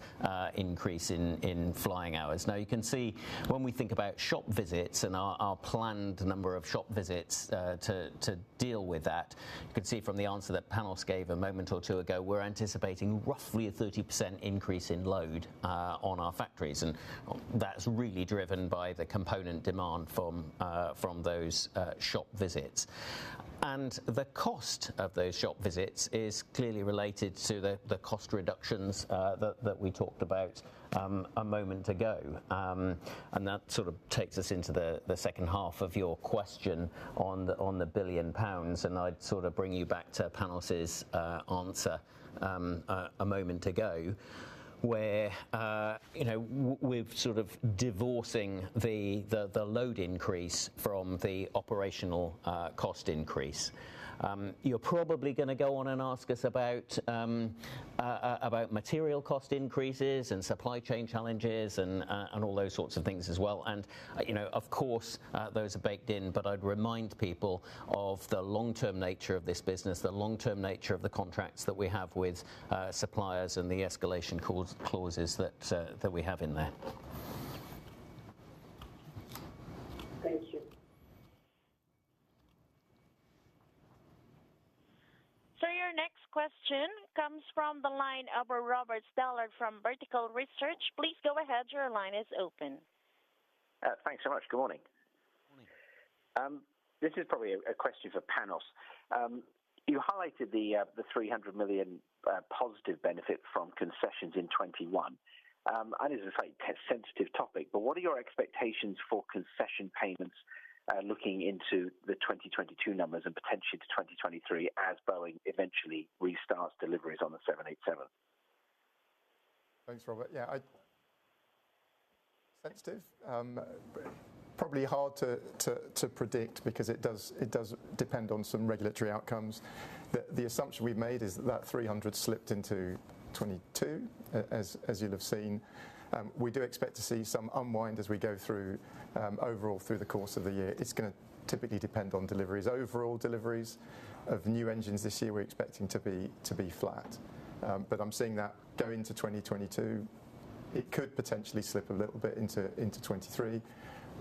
increase in flying hours. Now, you can see when we think about shop visits and our planned number of shop visits, to deal with that, you can see from the answer that Panos gave a moment or two ago, we're anticipating roughly a 30% increase in load on our factories. That's really driven by the component demand from those shop visits. The cost of those shop visits is clearly related to the cost reductions that we talked about a moment ago. That sort of takes us into the H2 of your question on the 1 billion pounds. I'd sort of bring you back to Panos's answer a moment ago, where you know, we're sort of divorcing the load increase from the operational cost increase. You're probably gonna go on and ask us about material cost increases and supply chain challenges and all those sorts of things as well. You know, of course, those are baked in, but I'd remind people of the long-term nature of this business, the long-term nature of the contracts that we have with suppliers and the escalation clauses that we have in there. Thank you. Your next question comes from the line of Robert Stallard from Vertical Research. Please go ahead. Your line is open. Thanks so much. Good morning. Morning. This is probably a question for Panos. You highlighted the 300 million positive benefit from concessions in 2021. I know this is a sensitive topic, but what are your expectations for concession payments looking into the 2022 numbers and potentially to 2023 as Boeing eventually restarts deliveries on the 787? Thanks, Robert. Yeah, sensitive. Probably hard to predict because it does depend on some regulatory outcomes. The assumption we've made is that 300 slipped into 2022, as you'll have seen. We do expect to see some unwind as we go through overall through the course of the year. It's gonna typically depend on deliveries. Overall deliveries of new engines this year, we're expecting to be flat. But I'm seeing that go into 2022. It could potentially slip a little bit into 2023.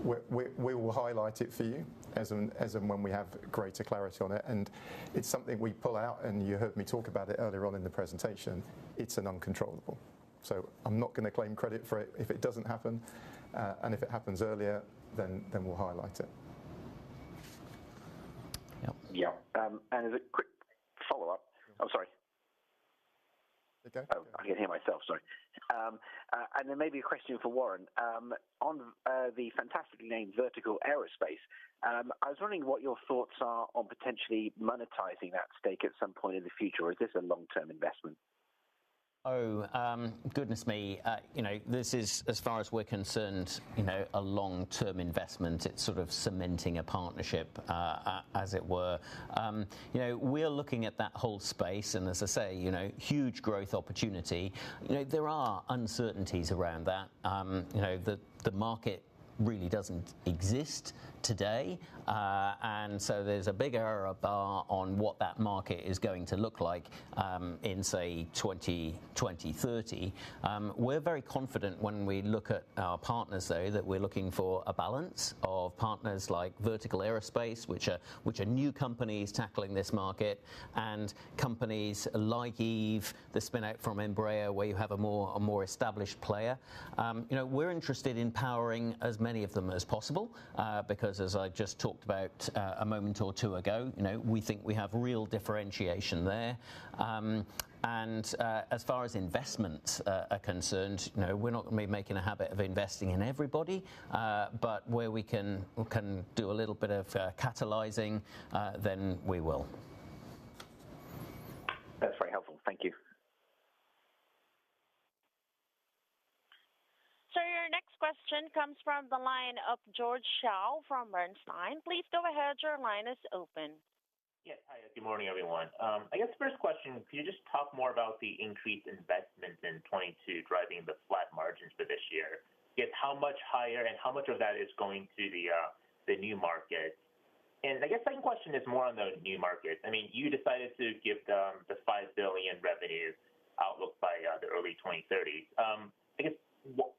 We will highlight it for you as and when we have greater clarity on it. It's something we pull out, and you heard me talk about it earlier on in the presentation. It's an uncontrollable. I'm not gonna claim credit for it if it doesn't happen, and if it happens earlier, then we'll highlight it. Yeah. Yeah. As a quick follow-up. I'm sorry. Okay. Maybe a question for Warren. On the fantastically named Vertical Aerospace, I was wondering what your thoughts are on potentially monetizing that stake at some point in the future, or is this a long-term investment? You know, this is as far as we're concerned, you know, a long-term investment. It's sort of cementing a partnership, as it were. You know, we're looking at that whole space, and as I say, you know, huge growth opportunity. You know, there are uncertainties around that. You know, the market really doesn't exist today. And so there's a big error bar on what that market is going to look like, in, say, 2020-2030. We're very confident when we look at our partners, though, that we're looking for a balance of partners like Vertical Aerospace, which are new companies tackling this market, and companies like Eve, the spin-out from Embraer, where you have a more established player. You know, we're interested in powering as many of them as possible, because as I just talked about, a moment or two ago, you know, we think we have real differentiation there. As far as investments are concerned, you know, we're not gonna be making a habit of investing in everybody. Where we can, we can do a little bit of catalyzing, then we will. That's very helpful. Thank you. Sir, your next question comes from the line of George Zhao from Bernstein. Please go ahead. Your line is open. Yes. Hi, good morning, everyone. I guess first question, could you just talk more about the increased investments in 2022 driving the flat margins for this year? I guess how much higher and how much of that is going to the New Markets? I guess second question is more on the New Markets. I mean, you decided to give them the 5 billion revenues outlook by the early 2030s. I guess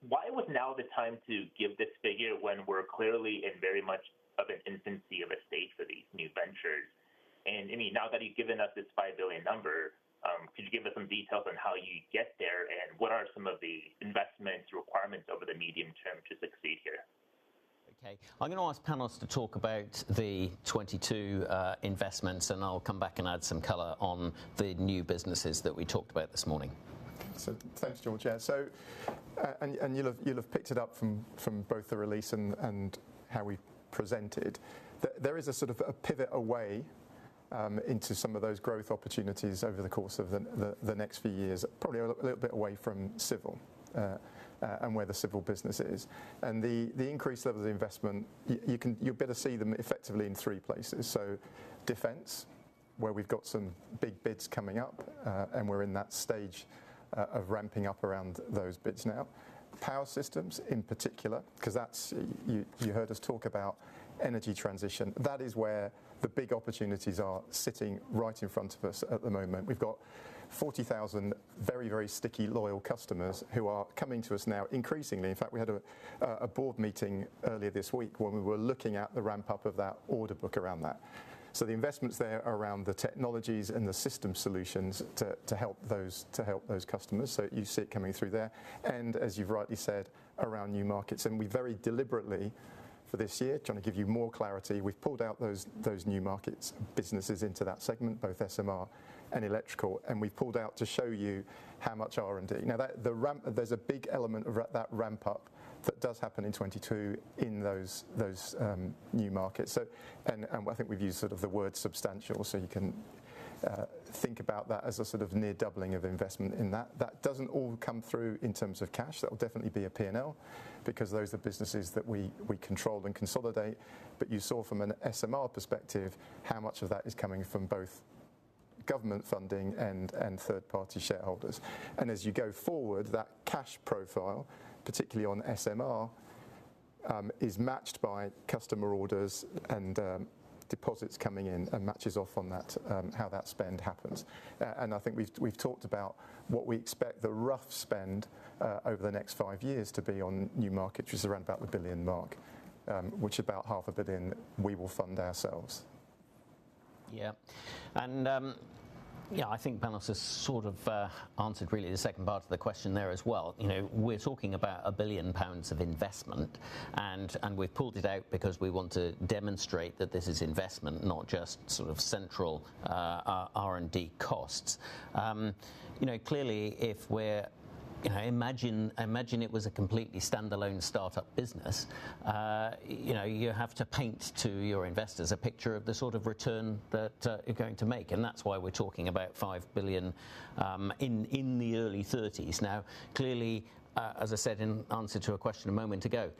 why was now the time to give this figure when we're clearly in very much of an infancy of a stage for these new ventures? I mean, now that you've given us this 5 billion number, could you give us some details on how you get there, and what are some of the investment requirements over the medium term to succeed here? Okay. I'm gonna ask Panos to talk about the 2022 investments, and I'll come back and add some color on the new businesses that we talked about this morning. Thanks, George. Yeah. And you'll have picked it up from both the release and how we presented. There is a sort of a pivot away into some of those growth opportunities over the course of the next few years, probably a little bit away from Civil and where the Civil business is. The increased level of investment, you better see them effectively in three places. Defense, where we've got some big bids coming up, and we're in that stage of ramping up around those bids now. Power Systems in particular, 'cause you heard us talk about energy transition. That is where the big opportunities are sitting right in front of us at the moment. We've got 40,000 very, very sticky loyal customers who are coming to us now increasingly. In fact, we had a board meeting earlier this week when we were looking at the ramp-up of that order book around that. The investments there are around the technologies and the system solutions to help those customers. You see it coming through there and as you've rightly said, around New Markets. We very deliberately for this year trying to give you more clarity. We've pulled out those New Markets businesses into that segment, both SMR and Electrical, and we pulled out to show you how much R&D. Now that there's a big element of that ramp up that does happen in 2022 in those New Markets. I think we've used sort of the word substantial, so you can think about that as a sort of near doubling of investment in that. That doesn't all come through in terms of cash. That will definitely be a P&L because those are businesses that we control and consolidate. But you saw from an SMR perspective how much of that is coming from both government funding and third-party shareholders. As you go forward, that cash profile, particularly on SMR, is matched by customer orders and deposits coming in and matches off on that, how that spend happens. I think we've talked about what we expect the rough spend over the next five years to be on New Markets, which is around about the 1 billion mark, which about 500 million we will fund ourselves. I think Panos has sort of answered really the second part of the question there as well. You know, we're talking about 1 billion pounds of investment and we've pulled it out because we want to demonstrate that this is investment, not just sort of central R&D costs. You know, clearly, you know, imagine it was a completely standalone startup business. You know, you have to paint to your investors a picture of the sort of return that you're going to make, and that's why we're talking about 5 billion in the early thirties. Now, clearly, as I said in answer to a question a moment ago,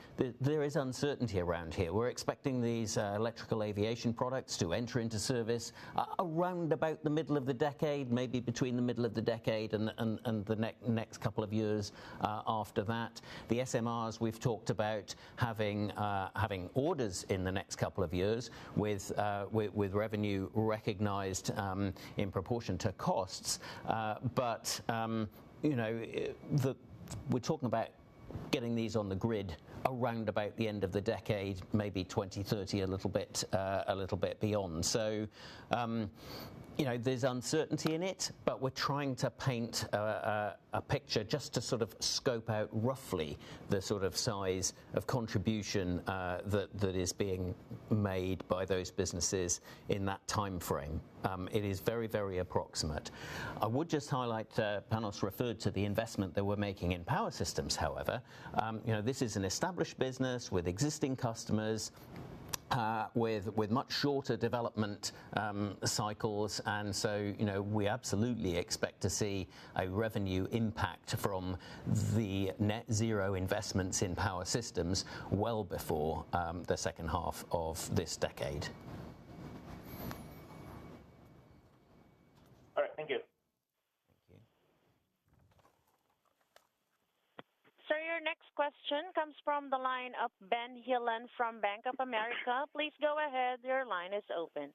there is uncertainty around here. We're expecting these electrical aviation products to enter into service around about the middle of the decade, maybe between the middle of the decade and the next couple of years after that. The SMRs we've talked about having orders in the next couple of years with revenue recognized in proportion to costs. You know, we're talking about getting these on the grid around about the end of the decade, maybe 2030, a little bit beyond. You know, there's uncertainty in it, but we're trying to paint a picture just to sort of scope out roughly the sort of size of contribution that is being made by those businesses in that timeframe. It is very, very approximate. I would just highlight, Panos referred to the investment that we're making in Power Systems, however. You know, this is an established business with existing customers With much shorter development cycles. You know, we absolutely expect to see a revenue impact from the net zero investments in Power Systems well before the H2 of this decade. All right. Thank you. Thank you. Sir, your next question comes from the line of Benjamin Heelan from Bank of America. Please go ahead. Your line is open.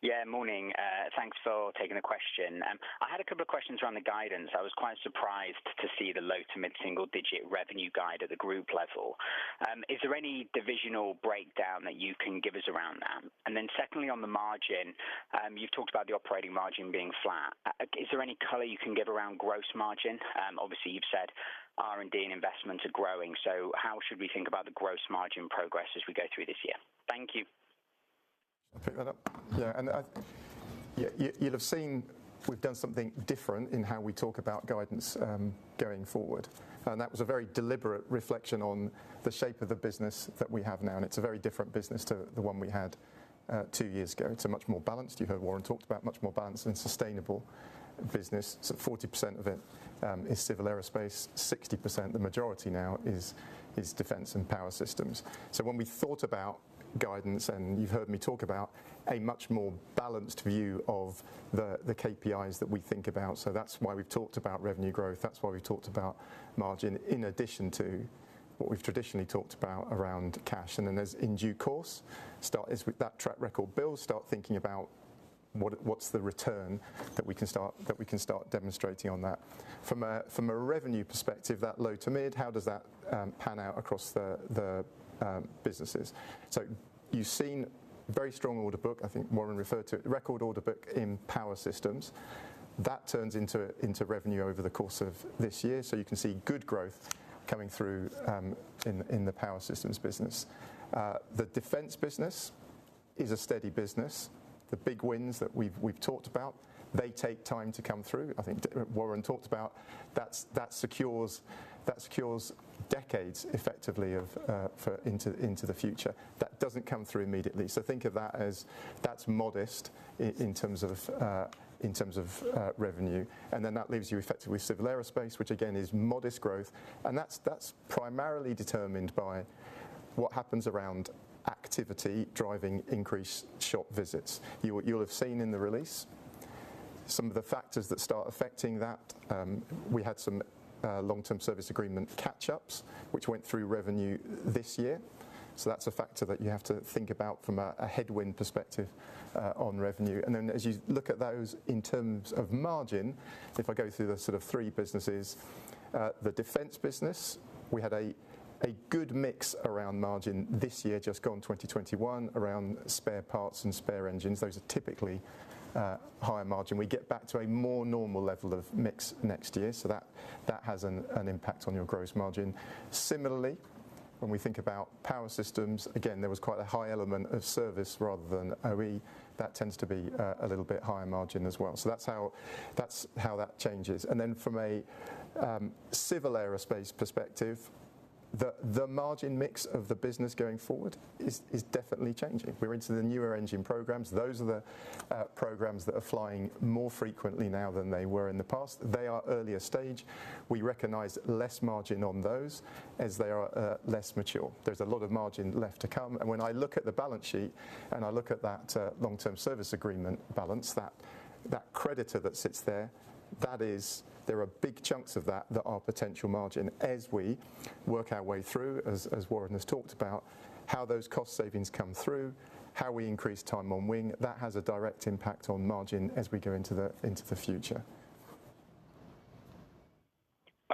Yeah, morning. Thanks for taking the question. I had a couple of questions around the guidance. I was quite surprised to see the low- to mid-single-digit revenue guide at the group level. Is there any divisional breakdown that you can give us around that? Secondly, on the margin, you've talked about the operating margin being flat. Is there any color you can give around gross margin? Obviously you've said R&D and investments are growing, so how should we think about the gross margin progress as we go through this year? Thank you. I'll pick that up. You'd have seen we've done something different in how we talk about guidance going forward. That was a very deliberate reflection on the shape of the business that we have now, and it's a very different business to the one we had two years ago. It's a much more balanced, you heard Warren talked about much more balanced and sustainable business. 40% of it is Civil Aerospace, 60%, the majority now is Defense and Power Systems. When we thought about guidance, and you've heard me talk about a much more balanced view of the KPIs that we think about. That's why we've talked about revenue growth. That's why we've talked about margin in addition to what we've traditionally talked about around cash. In due course, start with that track record. We'll start thinking about what's the return that we can start demonstrating on that. From a revenue perspective, that low-to-mid, how does that pan out across the businesses? You've seen very strong order book. I think Warren referred to it, record order book in Power Systems. That turns into revenue over the course of this year. You can see good growth coming through in the Power Systems business. The Defence business is a steady business. The big wins that we've talked about, they take time to come through. I think Warren talked about that secures decades effectively of for into the future. That doesn't come through immediately. Think of that as that's modest in terms of revenue. Then that leaves you effectively Civil Aerospace, which again is modest growth. That's primarily determined by what happens around activity driving increased shop visits. You'll have seen in the release some of the factors that start affecting that. We had some long-term service agreement catch-ups, which went through revenue this year. That's a factor that you have to think about from a headwind perspective on revenue. Then as you look at those in terms of margin, if I go through the sort of three businesses. The Defence business, we had a good mix around margin this year, just gone 2021 around spare parts and spare engines. Those are typically higher margin. We get back to a more normal level of mix next year, so that has an impact on your gross margin. Similarly, when we think about Power Systems, again, there was quite a high element of service rather than OE. That tends to be a little bit higher margin as well. That's how that changes. From a Civil Aerospace perspective, the margin mix of the business going forward is definitely changing. We're into the newer engine programs. Those are the programs that are flying more frequently now than they were in the past. They are earlier stage. We recognize less margin on those as they are less mature. There's a lot of margin left to come. When I look at the balance sheet, and I look at that long-term service agreement balance, that creditor that sits there, that is. There are big chunks of that that are potential margin as we work our way through, as Warren has talked about how those cost savings come through, how we increase time on wing. That has a direct impact on margin as we go into the future.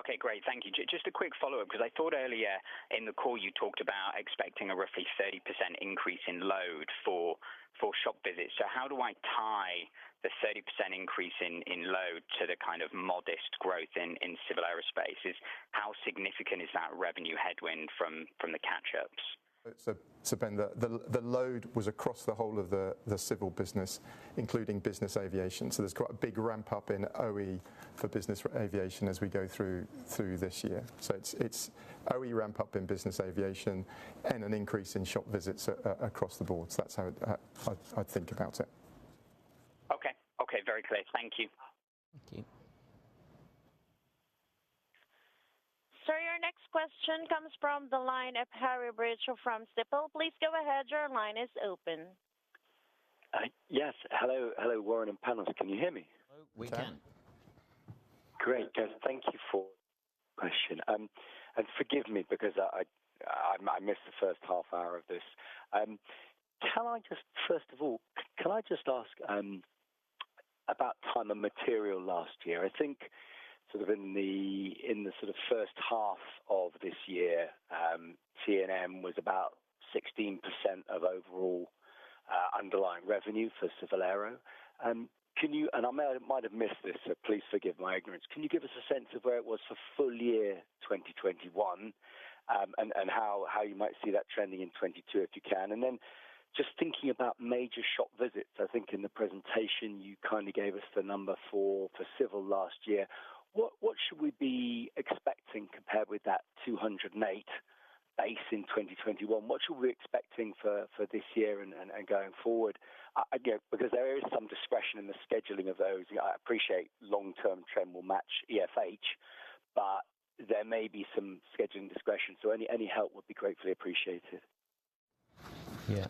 Okay, great. Thank you. Just a quick follow-up, because I thought earlier in the call you talked about expecting a roughly 30% increase in load for shop visits. How do I tie the 30% increase in load to the kind of modest growth in Civil Aerospace? How significant is that revenue headwind from the catch-ups? Ben, the load was across the whole of the civil business, including business aviation. There's quite a big ramp-up in OE for business aviation as we go through this year. It's OE ramp-up in business aviation and an increase in shop visits across the board. That's how I think about it. Okay. Okay, very clear. Thank you. Thank you. Sir, your next question comes from the line of Harry Breach from Stifel. Please go ahead. Your line is open. Yes. Hello, Warren and Panos. Can you hear me? We can. Great. Thank you for the question. Forgive me because I missed the first half hour of this. First of all, can I just ask about a ton of material last year? I think sort of in the H2 of this year, T&M was about 16% of overall underlying revenue for Civil Aero. I might have missed this, so please forgive my ignorance. Can you give us a sense of where it was for full year 2021, and how you might see that trending in 2022, if you can? Just thinking about major shop visits, I think in the presentation you kindly gave us the number for Civil last year. What should we be expecting compared with that 208 base in 2021? What should we be expecting for this year and going forward? Again, because there is some discretion in the scheduling of those. I appreciate long-term trend will match EFH, but there may be some scheduling discretion, so any help would be gratefully appreciated. Yeah.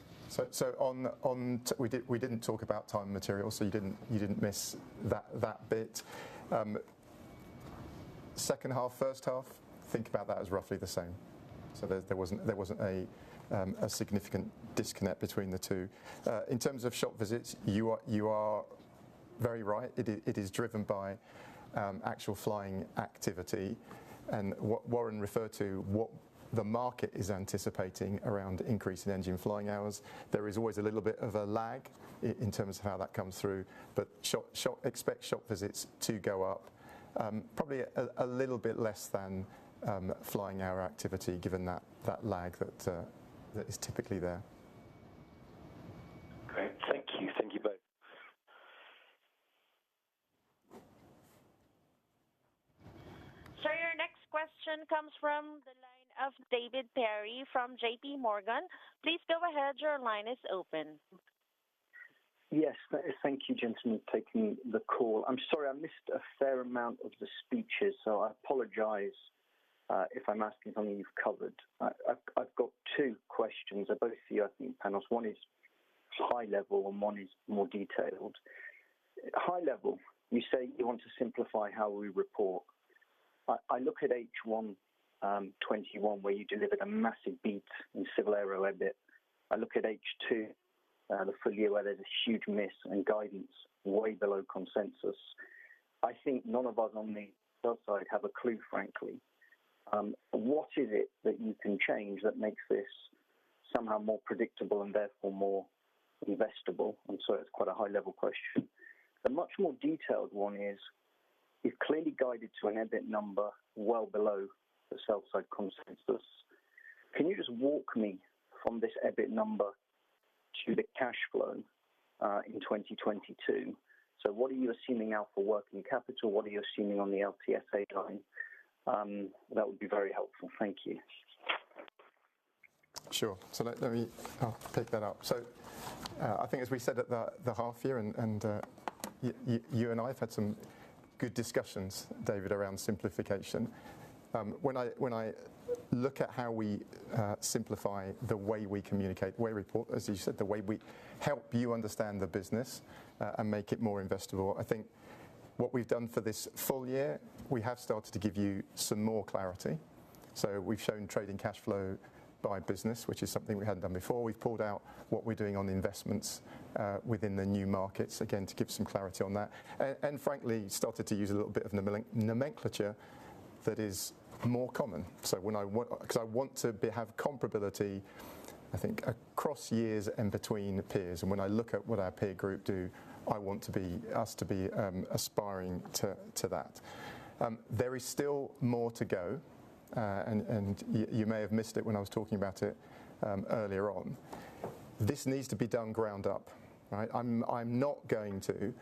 We didn't talk about time and material, so you didn't miss that bit. H2, H1, think about that as roughly the same. There wasn't a significant disconnect between the two. In terms of shop visits, you are very right. It is driven by actual flying activity and what Warren referred to, what the market is anticipating around increase in engine flying hours. There is always a little bit of a lag in terms of how that comes through. Expect shop visits to go up, probably a little bit less than flying hour activity given that lag that is typically there. Great. Thank you. Thank you both. Sir, your next question comes from the line of David Perry from JPMorgan. Please go ahead. Your line is open. Yes. Thank you, gentlemen, for taking the call. I'm sorry I missed a fair amount of the speeches, so I apologize if I'm asking something you've covered. I've got two questions. They're both for you, I think, Panos. One is high level, and one is more detailed. High level, you say you want to simplify how we report. I look at H1 2021, where you delivered a massive beat in civil aero EBIT. I look at H2, the full year, where there's a huge miss and guidance way below consensus. I think none of us on the sell side have a clue, frankly. What is it that you can change that makes this somehow more predictable and therefore more investable? It's quite a high-level question. The much more detailed one is, you've clearly guided to an EBIT number well below the sell side consensus. Can you just walk me from this EBIT number to the cash flow in 2022? So what are you assuming now for working capital? What are you assuming on the LTSA line? That would be very helpful. Thank you. Sure. Let me take that up. I think as we said at the half year and you and I have had some good discussions, David, around simplification. When I look at how we simplify the way we communicate, way we report, as you said, the way we help you understand the business, and make it more investable, I think what we've done for this full year, we have started to give you some more clarity. We've shown trading cash flow by business, which is something we hadn't done before. We've pulled out what we're doing on the investments within the New Markets, again, to give some clarity on that. And frankly, started to use a little bit of nomenclature that is more common. When I want- because I want to have comparability, I think, across years and between peers. When I look at what our peer group do, I want us to be aspiring to that. There is still more to go. You may have missed it when I was talking about it earlier on. This needs to be done ground up, right? I'm not going to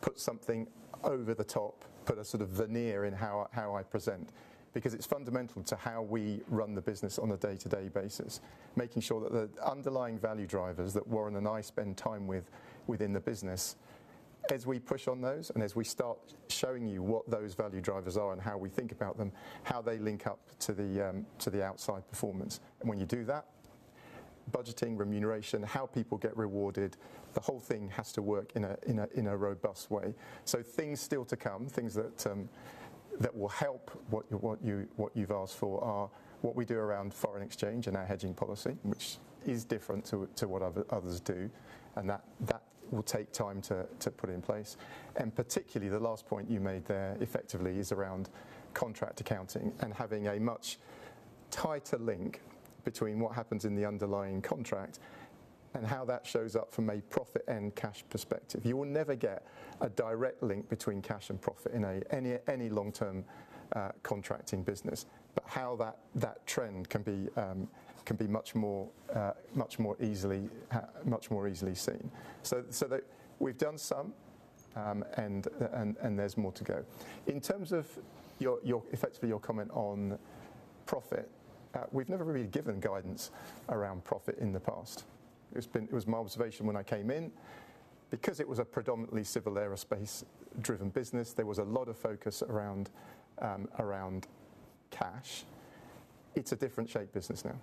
put something over the top, put a sort of veneer in how I present, because it's fundamental to how we run the business on a day-to-day basis. Making sure that the underlying value drivers that Warren and I spend time with within the business, as we push on those, and as we start showing you what those value drivers are and how we think about them, how they link up to the outside performance. When you do that, budgeting, remuneration, how people get rewarded, the whole thing has to work in a robust way. Things still to come, things that will help what you've asked for are what we do around foreign exchange and our hedging policy, which is different to what others do, and that will take time to put in place. Particularly the last point you made there effectively is around contract accounting and having a much tighter link between what happens in the underlying contract and how that shows up from a profit and cash perspective. You will never get a direct link between cash and profit in any long-term contracting business. But how that trend can be much more easily seen. We've done some, and there's more to go. In terms of your effectively your comment on profit, we've never really given guidance around profit in the past. It was my observation when I came in, because it was a predominantly Civil Aerospace driven business, there was a lot of focus around cash. It's a different shaped business now.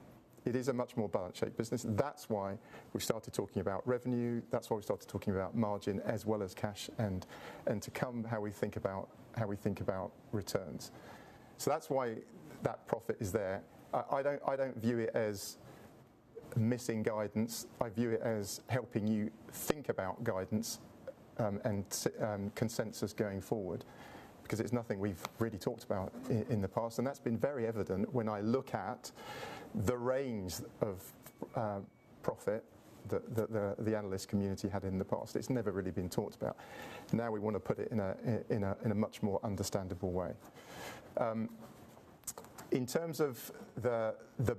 It is a much more balanced shaped business. That's why we started talking about revenue. That's why we started talking about margin as well as cash and income, how we think about returns. That's why that profit is there. I don't view it as missing guidance. I view it as helping you think about guidance and consensus going forward, because it's nothing we've really talked about in the past, and that's been very evident when I look at the range of profit that the analyst community had in the past. It's never really been talked about. Now we want to put it in a much more understandable way. In terms of the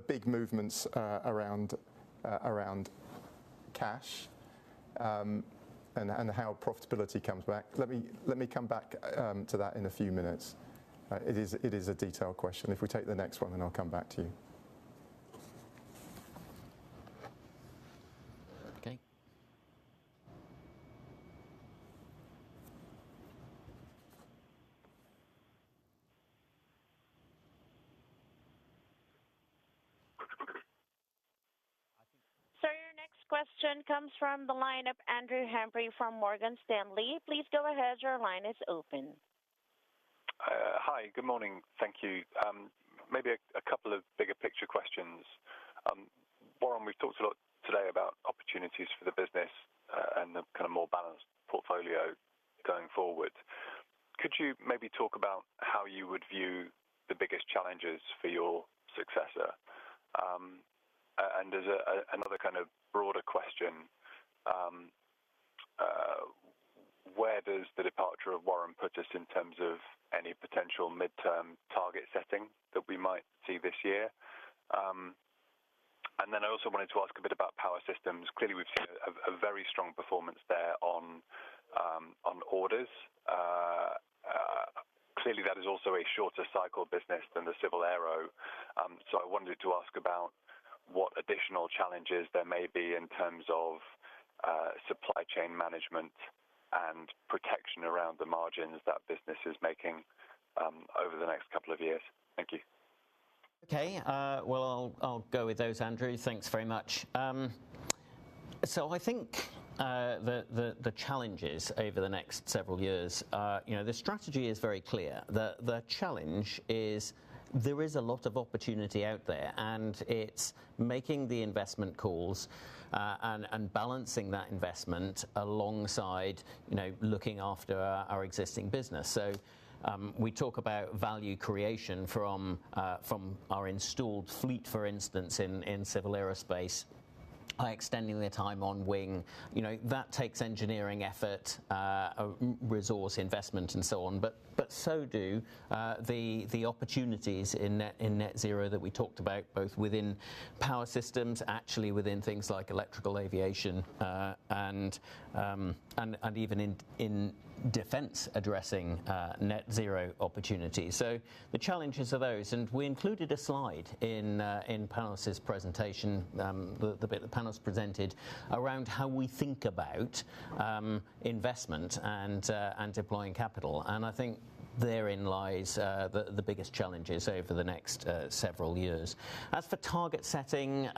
big movements around cash and how profitability comes back, let me come back to that in a few minutes. It is a detailed question. If we take the next one, then I'll come back to you. Okay. Sir, your next question comes from the line of Andrew Humphrey from Morgan Stanley. Please go ahead. Your line is open. Hi. Good morning. Thank you. Maybe a couple of bigger picture questions. Warren, we've talked a lot today about opportunities for the business and the kind of more balanced portfolio going forward. Could you maybe talk about how you would view the biggest challenges for your successor? As another kind of broader question, where does the departure of Warren put us in terms of any potential midterm target setting that we might see this year? I also wanted to ask a bit about Power Systems. Clearly, we've seen a very strong performance there on orders. Clearly, that is also a shorter cycle business than the Civil Aerospace. I wanted to ask about what additional challenges there may be in terms of supply chain management and protection around the margins that business is making over the next couple of years. Thank you. Okay. Well, I'll go with those, Andrew. Thanks very much. I think the challenges over the next several years are, you know, the strategy is very clear. The challenge is there is a lot of opportunity out there, and it's making the investment calls, and balancing that investment alongside, you know, looking after our existing business. We talk about value creation from our installed fleet, for instance, in Civil Aerospace by extending their time on wing. You know, that takes engineering effort, resource investment and so on. But so do the opportunities in net zero that we talked about, both within Power Systems, actually within things like electrical aviation, and even in Defence addressing net zero opportunities. The challenges are those, and we included a slide in Panos's presentation, the bit that Panos presented around how we think about investment and deploying capital. I think therein lies the biggest challenges over the next several years. As for target setting,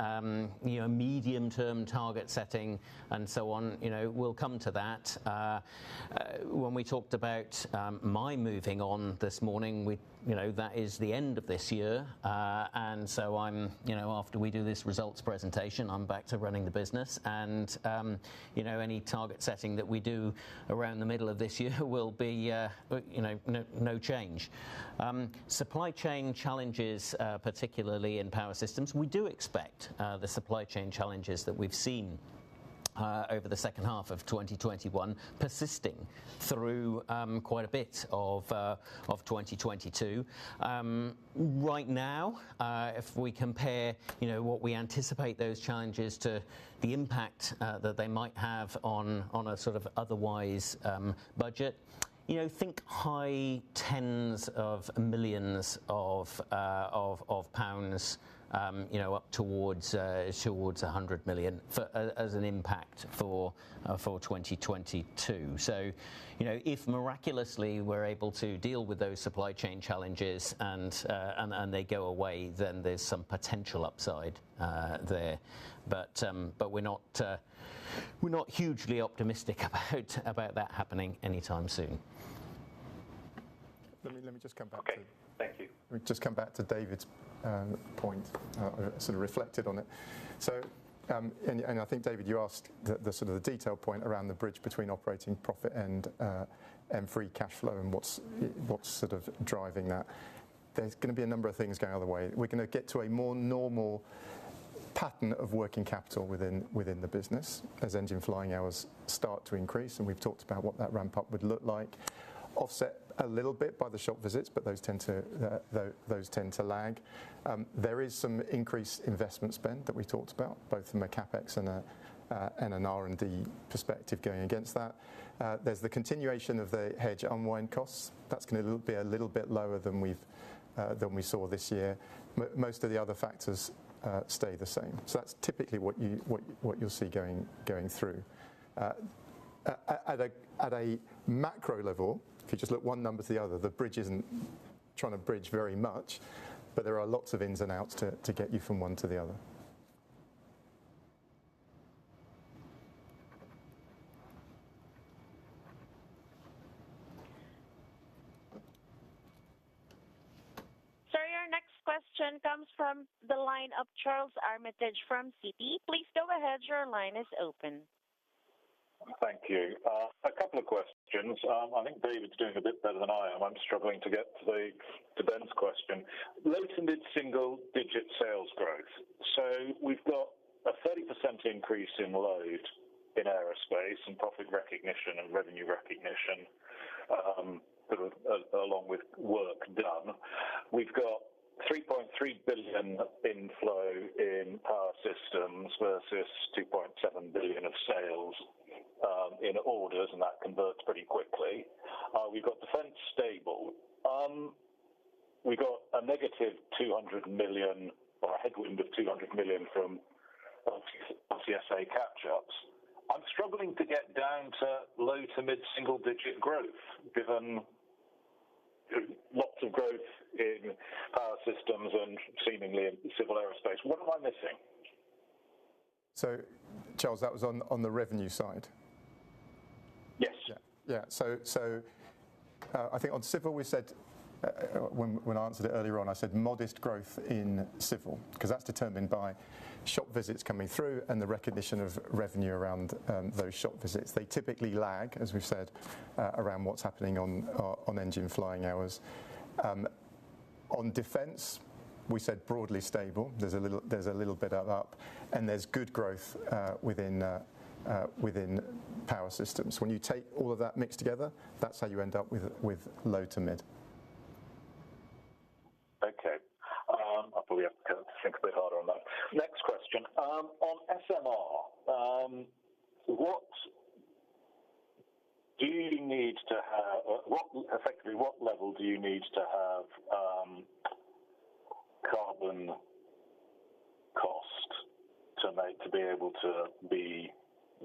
you know, medium-term target setting and so on, you know, we'll come to that. When we talked about my moving on this morning, you know, that is the end of this year. I'm, you know, after we do this results presentation, I'm back to running the business and, you know, any target setting that we do around the middle of this year will be, you know, no change. Supply chain challenges, particularly in Power Systems, we do expect the supply chain challenges that we've seen over the H2 of 2021 persisting through quite a bit of 2022. Right now, if we compare, you know, what we anticipate those challenges to the impact that they might have on a sort of otherwise budget, you know, think high tens of millions of pounds, you know, up towards 100 million as an impact for 2022. So, you know, if miraculously we're able to deal with those supply chain challenges and they go away, then there's some potential upside there. But we're not hugely optimistic about that happening anytime soon. Let me just come back to- Okay. Thank you. Let me just come back to David's point, sort of reflected on it. I think, David, you asked the detail point around the bridge between operating profit and free cash flow and what's driving that. There's gonna be a number of things going on the way. We're gonna get to a more normal pattern of working capital within the business as engine flying hours start to increase, and we've talked about what that ramp up would look like, offset a little bit by the shop visits, but those tend to lag. There is some increased investment spend that we talked about, both from a CapEx and an R&D perspective going against that. There's the continuation of the hedge unwind costs. That's gonna be a little bit lower than we saw this year. Most of the other factors stay the same. That's typically what you'll see going through. At a macro level, if you just look one number to the other, the bridge isn't trying to bridge very much, but there are lots of ins and outs to get you from one to the other. Sir, your next question comes from the line of Charles Armitage from Citi. Please go ahead. Your line is open. Thank you. A couple of questions. I think David's doing a bit better than I am. I'm struggling to get to Ben's question. Low to mid-single digit sales growth. We've got A 30% increase in load in Civil Aerospace and profit recognition and revenue recognition, sort of along with work done. We've got 3.3 billion inflow in Power Systems versus 2.7 billion of sales in orders, and that converts pretty quickly. We've got Defence stable. We got a -200 million or a headwind of 200 million from OC-LTSA catch-ups. I'm struggling to get down to low- to mid-single-digit growth, given lots of growth in Power Systems and seemingly in Civil Aerospace. What am I missing? Charles, that was on the revenue side? Yes. Yeah. I think on Civil we said, when I answered it earlier on, I said modest growth in Civil, 'cause that's determined by shop visits coming through and the recognition of revenue around those shop visits. They typically lag, as we've said, around what's happening on engine flying hours. On Defence, we said broadly stable. There's a little bit of up, and there's good growth within Power Systems. When you take all of that mixed together, that's how you end up with low to mid. Okay. I probably have to go think a bit harder on that. Next question. On SMR, what do you need to have or what effectively what level do you need to have carbon cost to make to be able to be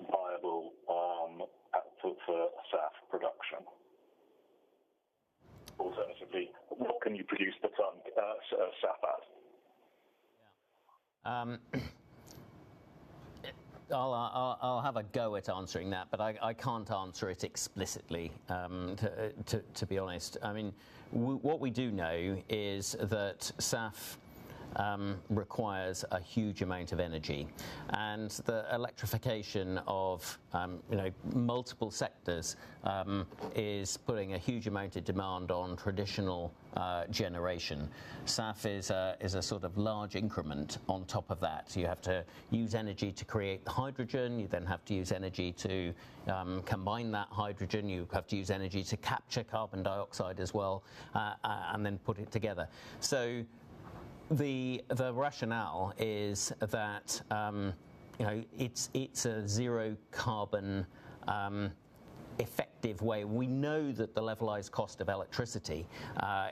viable for SAF production? Alternatively, what can you produce the ton SAF at? Yeah. I'll have a go at answering that, but I can't answer it explicitly, to be honest. I mean, what we do know is that SAF requires a huge amount of energy, and the electrification of, you know, multiple sectors, is putting a huge amount of demand on traditional generation. SAF is a sort of large increment on top of that. You have to use energy to create the hydrogen. You then have to use energy to combine that hydrogen. You have to use energy to capture carbon dioxide as well, and then put it together. The rationale is that, you know, it's a zero carbon effective way. We know that the levelized cost of electricity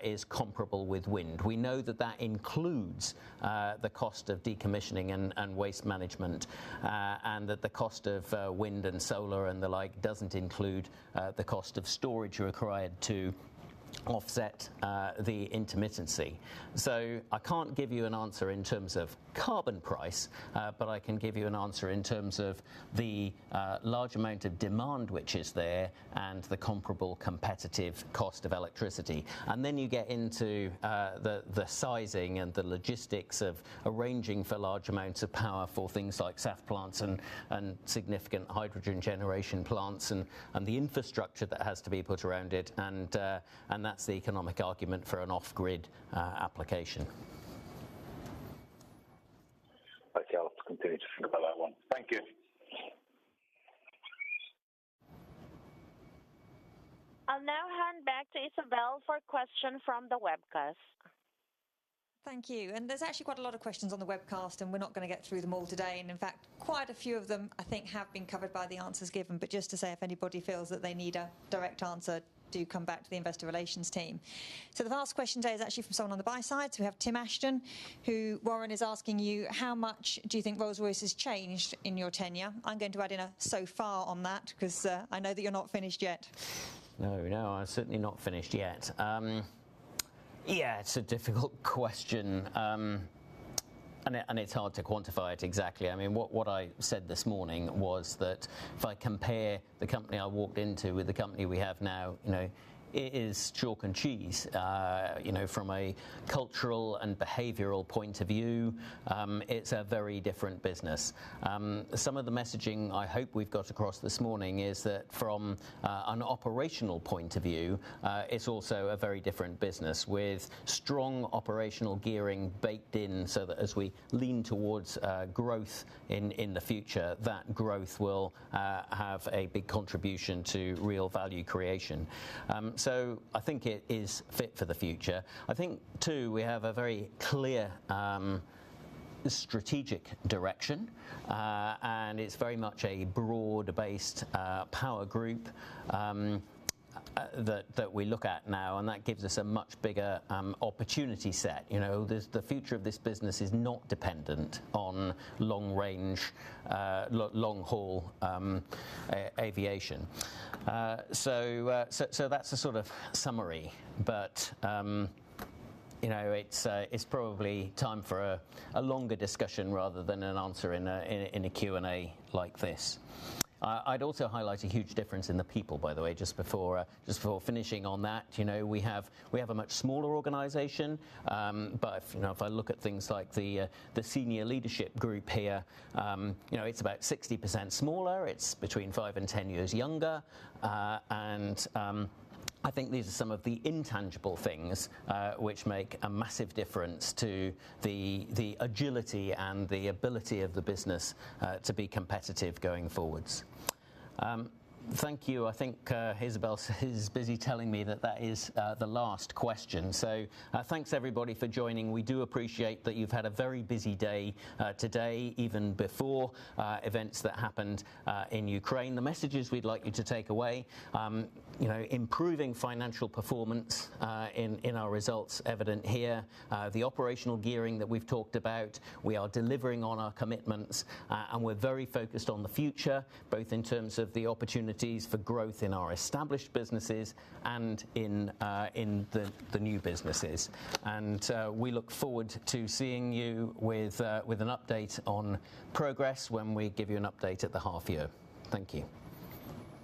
is comparable with wind. We know that includes the cost of decommissioning and waste management and that the cost of wind and solar and the like doesn't include the cost of storage required to offset the intermittency. I can't give you an answer in terms of carbon price but I can give you an answer in terms of the large amount of demand which is there and the comparable competitive cost of electricity. You get into the sizing and the logistics of arranging for large amounts of power for things like SAF plants and significant hydrogen generation plants and the infrastructure that has to be put around it. That's the economic argument for an off-grid application. Okay. I'll have to continue to think about that one. Thank you. I'll now hand back to Isabel for a question from the webcast. Thank you. There's actually quite a lot of questions on the webcast, and we're not gonna get through them all today. In fact, quite a few of them, I think, have been covered by the answers given. Just to say, if anybody feels that they need a direct answer, do come back to the investor relations team. The last question today is actually from someone on the buy side. We have Tim Ashton, who, Warren, is asking you, how much do you think Rolls-Royce has changed in your tenure? I'm going to add in a so far on that, 'cause I know that you're not finished yet. No, no, I'm certainly not finished yet. Yeah, it's a difficult question. And it's hard to quantify it exactly. I mean, what I said this morning was that if I compare the company I walked into with the company we have now, you know, it is chalk and cheese. You know, from a cultural and behavioral point of view, it's a very different business. Some of the messaging I hope we've got across this morning is that from an operational point of view, it's also a very different business with strong operational gearing baked in, so that as we lean towards growth in the future, that growth will have a big contribution to real value creation. So I think it is fit for the future. I think, too, we have a very clear strategic direction, and it's very much a broad-based power group that we look at now, and that gives us a much bigger opportunity set. You know, the future of this business is not dependent on long range long haul aviation. So that's a sort of summary. You know, it's probably time for a longer discussion rather than an answer in a Q&A like this. I'd also highlight a huge difference in the people, by the way, just before finishing on that. You know, we have a much smaller organization. If you know, if I look at things like the senior leadership group here, you know, it's about 60% smaller. It's between 5 years-10 years younger. I think these are some of the intangible things which make a massive difference to the agility and the ability of the business to be competitive going forwards. Thank you. I think Isabel is busy telling me that is the last question. Thanks, everybody, for joining. We do appreciate that you've had a very busy day today, even before events that happened in Ukraine. The messages we'd like you to take away, you know, improving financial performance in our results evident here. The operational gearing that we've talked about, we are delivering on our commitments. We're very focused on the future, both in terms of the opportunities for growth in our established businesses and in the new businesses. We look forward to seeing you with an update on progress when we give you an update at the half year. Thank you.